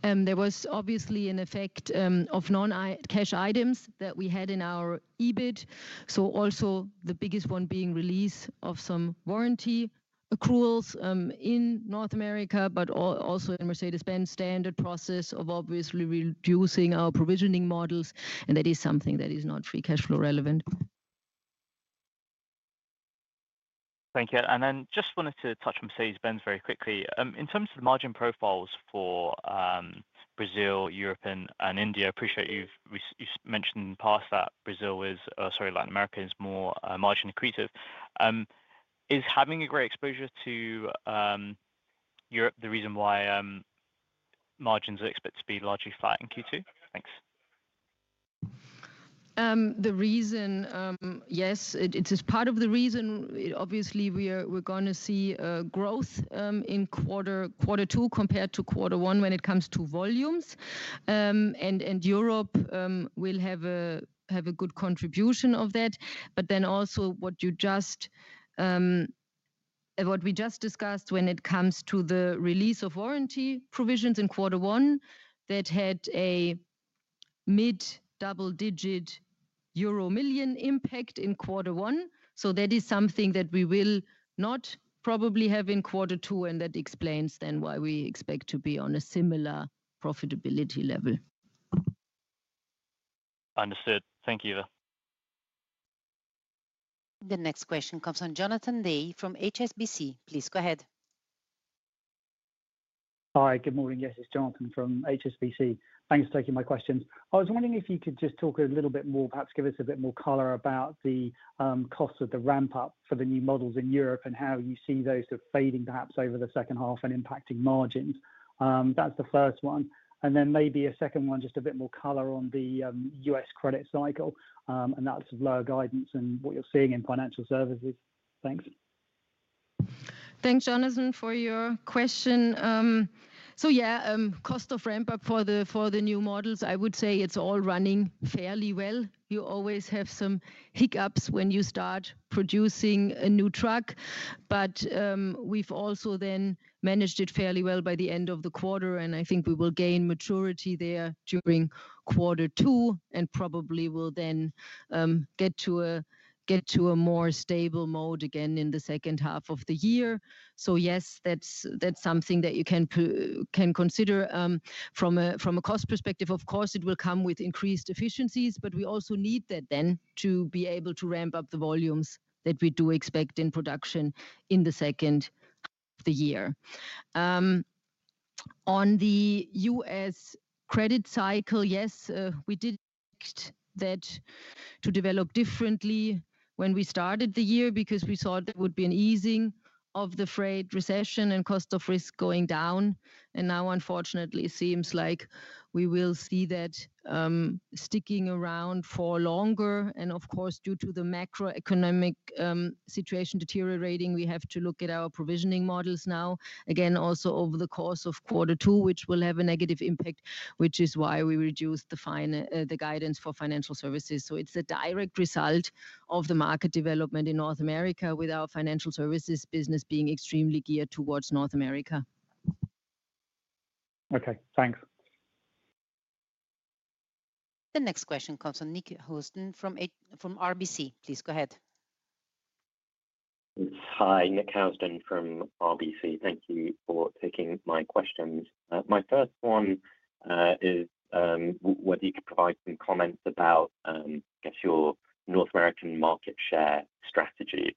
There was obviously an effect of non-cash items that we had in our EBIT. Also, the biggest one being release of some warranty accruals in North America, but also in Mercedes-Benz standard process of obviously reducing our provisioning models. That is something that is not free cash flow relevant. Thank you. I just wanted to touch on Mercedes-Benz very quickly. In terms of the margin profiles for Brazil, Europe, and India, I appreciate you've mentioned in the past that Brazil is, or sorry, Latin America is more margin accretive. Is having a great exposure to Europe the reason why margins are expected to be largely flat in Q2? Thanks. The reason, yes, it is part of the reason. Obviously, we are going to see a growth in quarter two compared to quarter one when it comes to volumes, and Europe will have a good contribution to that. What we just discussed when it comes to the release of warranty provisions in quarter one, that had a mid double-digit euro million impact in quarter one. That is something that we will not probably have in quarter two. That explains why we expect to be on a similar profitability level. Understood. Thank you. The next question comes on Jonathan Day from HSBC. Please go ahead. Hi, good morning. Yes, it is Jonathan from HSBC. Thanks for taking my questions. I was wondering if you could just talk a little bit more, perhaps give us a bit more color about the cost of the ramp-up for the new models in Europe and how you see those sort of fading perhaps over the second half and impacting margins. That is the first one. And then maybe a second one, just a bit more color on the U.S. credit cycle and that sort of lower guidance and what you're seeing in financial services. Thanks. Thanks, Jonathan, for your question. Yeah, cost of ramp-up for the new models, I would say it's all running fairly well. You always have some hiccups when you start producing a new truck. We've also then managed it fairly well by the end of the quarter. I think we will gain maturity there during quarter two and probably will then get to a more stable mode again in the second half of the year. Yes, that's something that you can consider from a cost perspective. Of course, it will come with increased efficiencies, but we also need that then to be able to ramp up the volumes that we do expect in production in the second half of the year. On the U.S. credit cycle, yes, we did expect that to develop differently when we started the year because we thought there would be an easing of the freight recession and cost of risk going down. Now, unfortunately, it seems like we will see that sticking around for longer. Of course, due to the macroeconomic situation deteriorating, we have to look at our provisioning models now, again, also over the course of quarter two, which will have a negative impact, which is why we reduced the guidance for financial services. It is a direct result of the market development in North America with our financial services business being extremely geared towards North America. Okay, thanks. The next question comes from Nick Housden from RBC. Please go ahead. Hi, Nick Housden from RBC. Thank you for taking my questions. My first one is whether you could provide some comments about, I guess, your North American market share strategy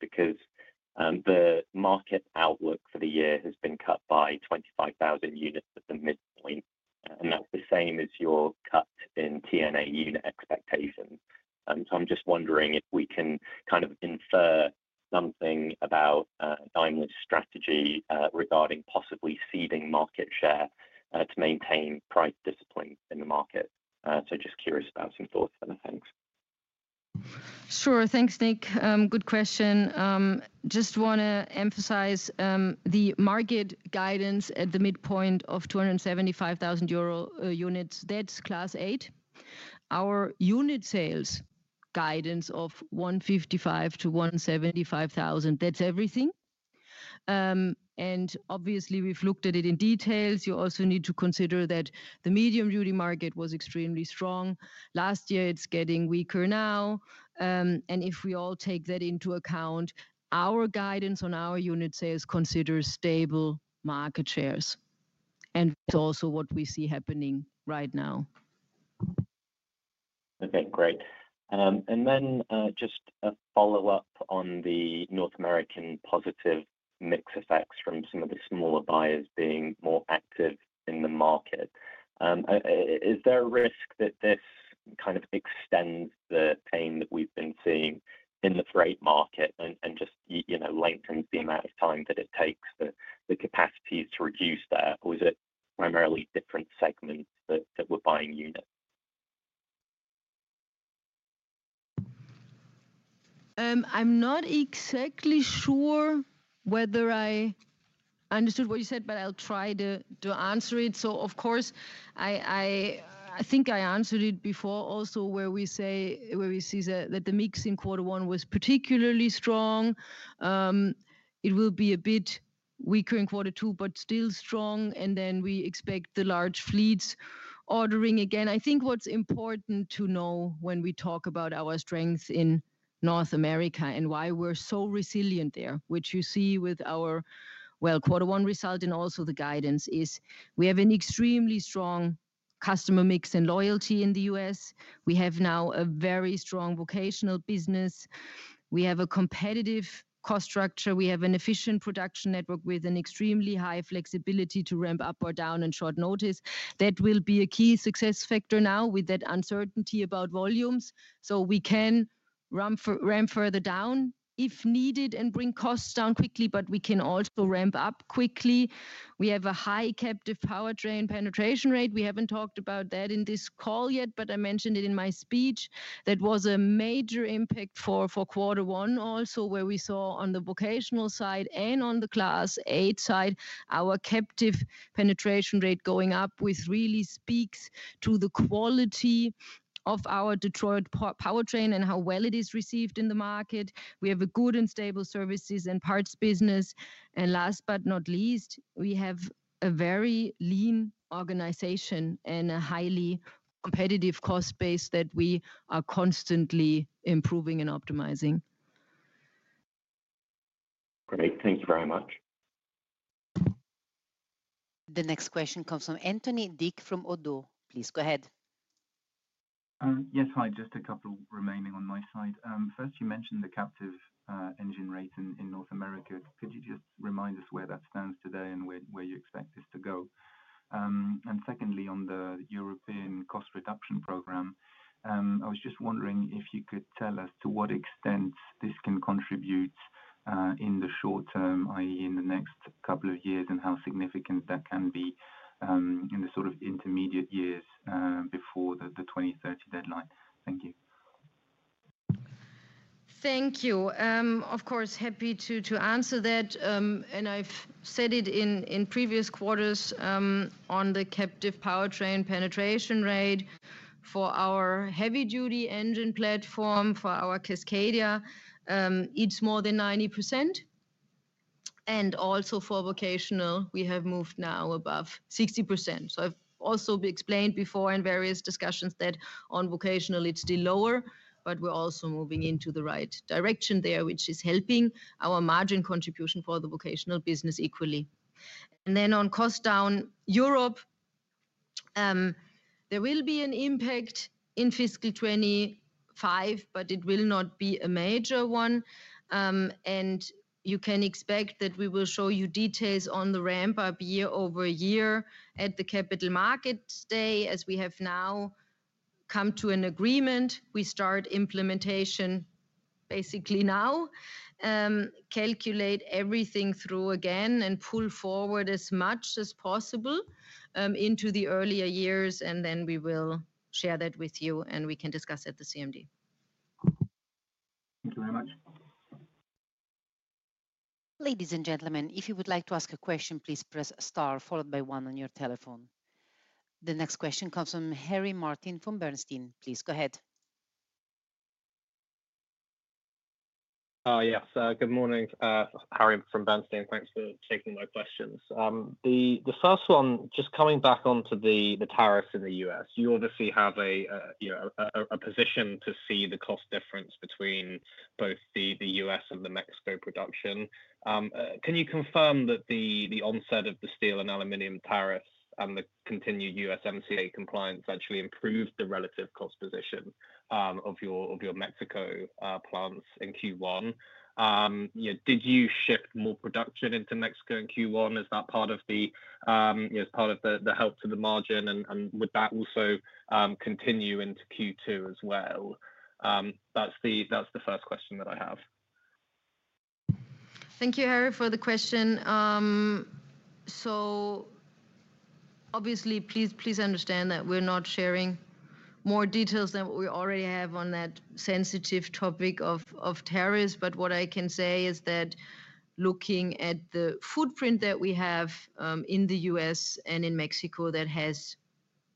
because the market outlook for the year has been cut by 25,000 units at the midpoint. That is the same as your cut in TNA unit expectations. I am just wondering if we can kind of infer something about a Daimler strategy regarding possibly ceding market share to maintain price discipline in the market. I am just curious about some thoughts there. Thanks. Sure. Thanks, Nick. Good question. I just want to emphasize the market guidance at the midpoint of 275,000 euro units. That's class eight. Our unit sales guidance of 155,000-175,000. That's everything. Obviously, we've looked at it in detail. You also need to consider that the medium duty market was extremely strong last year, it's getting weaker now. If we all take that into account, our guidance on our unit sales considers stable market shares. That's also what we see happening right now. Okay, great. Just a follow-up on the North American positive mix effects from some of the smaller buyers being more active in the market. Is there a risk that this kind of extends the pain that we've been seeing in the freight market and just, you know, lengthens the amount of time that it takes the capacities to reduce that? Or is it primarily different segments that were buying units? I'm not exactly sure whether I understood what you said, but I'll try to answer it. Of course, I think I answered it before also where we say where we see that the mix in quarter one was particularly strong. It will be a bit weaker in quarter two, but still strong. We expect the large fleets ordering again. I think what's important to know when we talk about our strength in North America and why we're so resilient there, which you see with our quarter one result and also the guidance, is we have an extremely strong customer mix and loyalty in the U.S. We have now a very strong vocational business. We have a competitive cost structure. We have an efficient production network with an extremely high flexibility to ramp up or down in short notice. That will be a key success factor now with that uncertainty about volumes. We can ramp further down if needed and bring costs down quickly, but we can also ramp up quickly. We have a high captive powertrain penetration rate. We have not talked about that in this call yet, but I mentioned it in my speech. That was a major impact for quarter one also where we saw on the vocational side and on the class 8 side, our captive penetration rate going up, which really speaks to the quality of our Detroit powertrain and how well it is received in the market. We have a good and stable services and parts business. Last but not least, we have a very lean organization and a highly competitive cost base that we are constantly improving and optimizing. Great. Thank you very much. The next question comes from Anthony Dick from ODDO. Please go ahead. Yes, hi, just a couple remaining on my side. First, you mentioned the captive engine rate in North America. Could you just remind us where that stands today and where you expect this to go? And secondly, on the European cost reduction program, I was just wondering if you could tell us to what extent this can contribute in the short term, i.e., in the next couple of years and how significant that can be in the sort of intermediate years before the 2030 deadline. Thank you. Thank you. Of course, happy to answer that. And I've said it in previous quarters on the captive powertrain penetration rate for our heavy-duty engine platform for our Cascadia, it's more than 90%. And also for vocational, we have moved now above 60%. I've also explained before in various discussions that on vocational, it's still lower, but we're also moving into the right direction there, which is helping our margin contribution for the vocational business equally. On Cost Down Europe, there will be an impact in fiscal 2025, but it will not be a major one. You can expect that we will show you details on the ramp-up year over year at the Capital Markets Day as we have now come to an agreement. We start implementation basically now, calculate everything through again and pull forward as much as possible into the earlier years. We will share that with you and we can discuss at the CMD. Thank you very much. Ladies and gentlemen, if you would like to ask a question, please press a star followed by one on your telephone. The next question comes from Harry Martin from Bernstein. Please go ahead. Oh, yes. Good morning, Harry from Bernstein. Thanks for taking my questions. The first one, just coming back onto the tariffs in the U.S., you obviously have a, you know, a position to see the cost difference between both the U.S. and the Mexico production. Can you confirm that the onset of the steel and aluminum tariffs and the continued USMCA compliance actually improved the relative cost position of your Mexico plants in Q1? Did you shift more production into Mexico in Q1? Is that part of the, you know, as part of the help to the margin? Would that also continue into Q2 as well? That's the first question that I have. Thank you, Harry, for the question. Please understand that we're not sharing more details than what we already have on that sensitive topic of tariffs. What I can say is that looking at the footprint that we have in the U.S. and in Mexico that has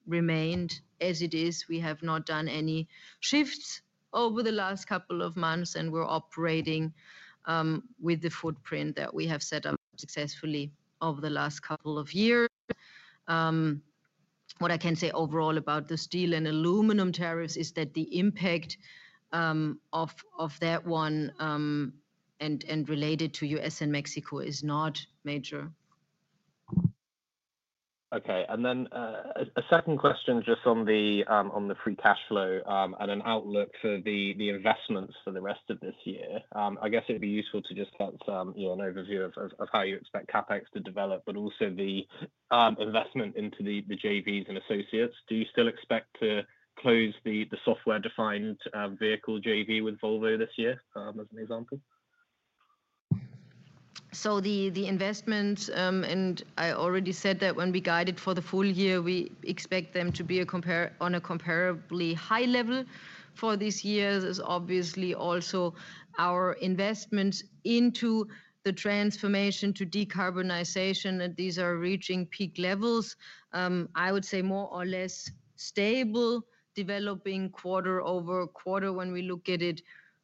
remained as it is, we have not done any shifts over the last couple of months. We're operating with the footprint that we have set up successfully over the last couple of years. What I can say overall about the steel and aluminum tariffs is that the impact of that one and related to U.S. and Mexico is not major. Okay. A second question just on the free cash flow and an outlook for the investments for the rest of this year. I guess it'd be useful to just get an overview of how you expect CapEx to develop, but also the investment into the JVs and associates. Do you still expect to close the software-defined vehicle JV with Volvo this year as an example? The investment, and I already said that when we guided for the full year, we expect them to be on a comparably high level for this year. There's obviously also our investments into the transformation to decarbonization. These are reaching peak levels. I would say more or less stable developing quarter over quarter when we look at it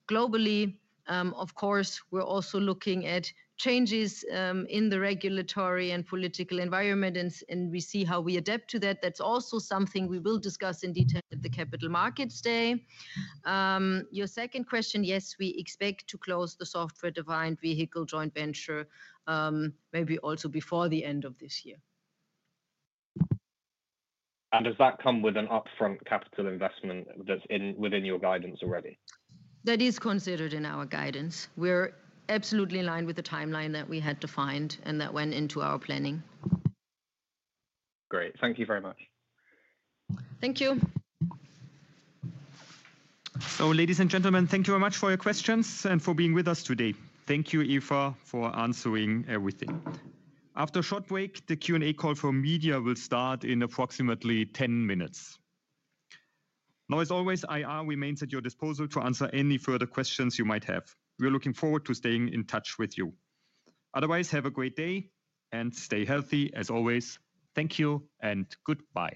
globally. Of course, we're also looking at changes in the regulatory and political environment. We see how we adapt to that. That's also something we will discuss in detail at the capital markets day. Your second question, yes, we expect to close the software-defined vehicle joint venture maybe also before the end of this year. Does that come with an upfront capital investment that's in within your guidance already? That is considered in our guidance. We're absolutely in line with the timeline that we had defined and that went into our planning. Great. Thank you very much. Thank you. Ladies and gentlemen, thank you very much for your questions and for being with us today. Thank you, Eva, for answering everything. After a short break, the Q&A call for media will start in approximately 10 minutes. Now, as always, IR remains at your disposal to answer any further questions you might have. We're looking forward to staying in touch with you. Otherwise, have a great day and stay healthy as always. Thank you and goodbye.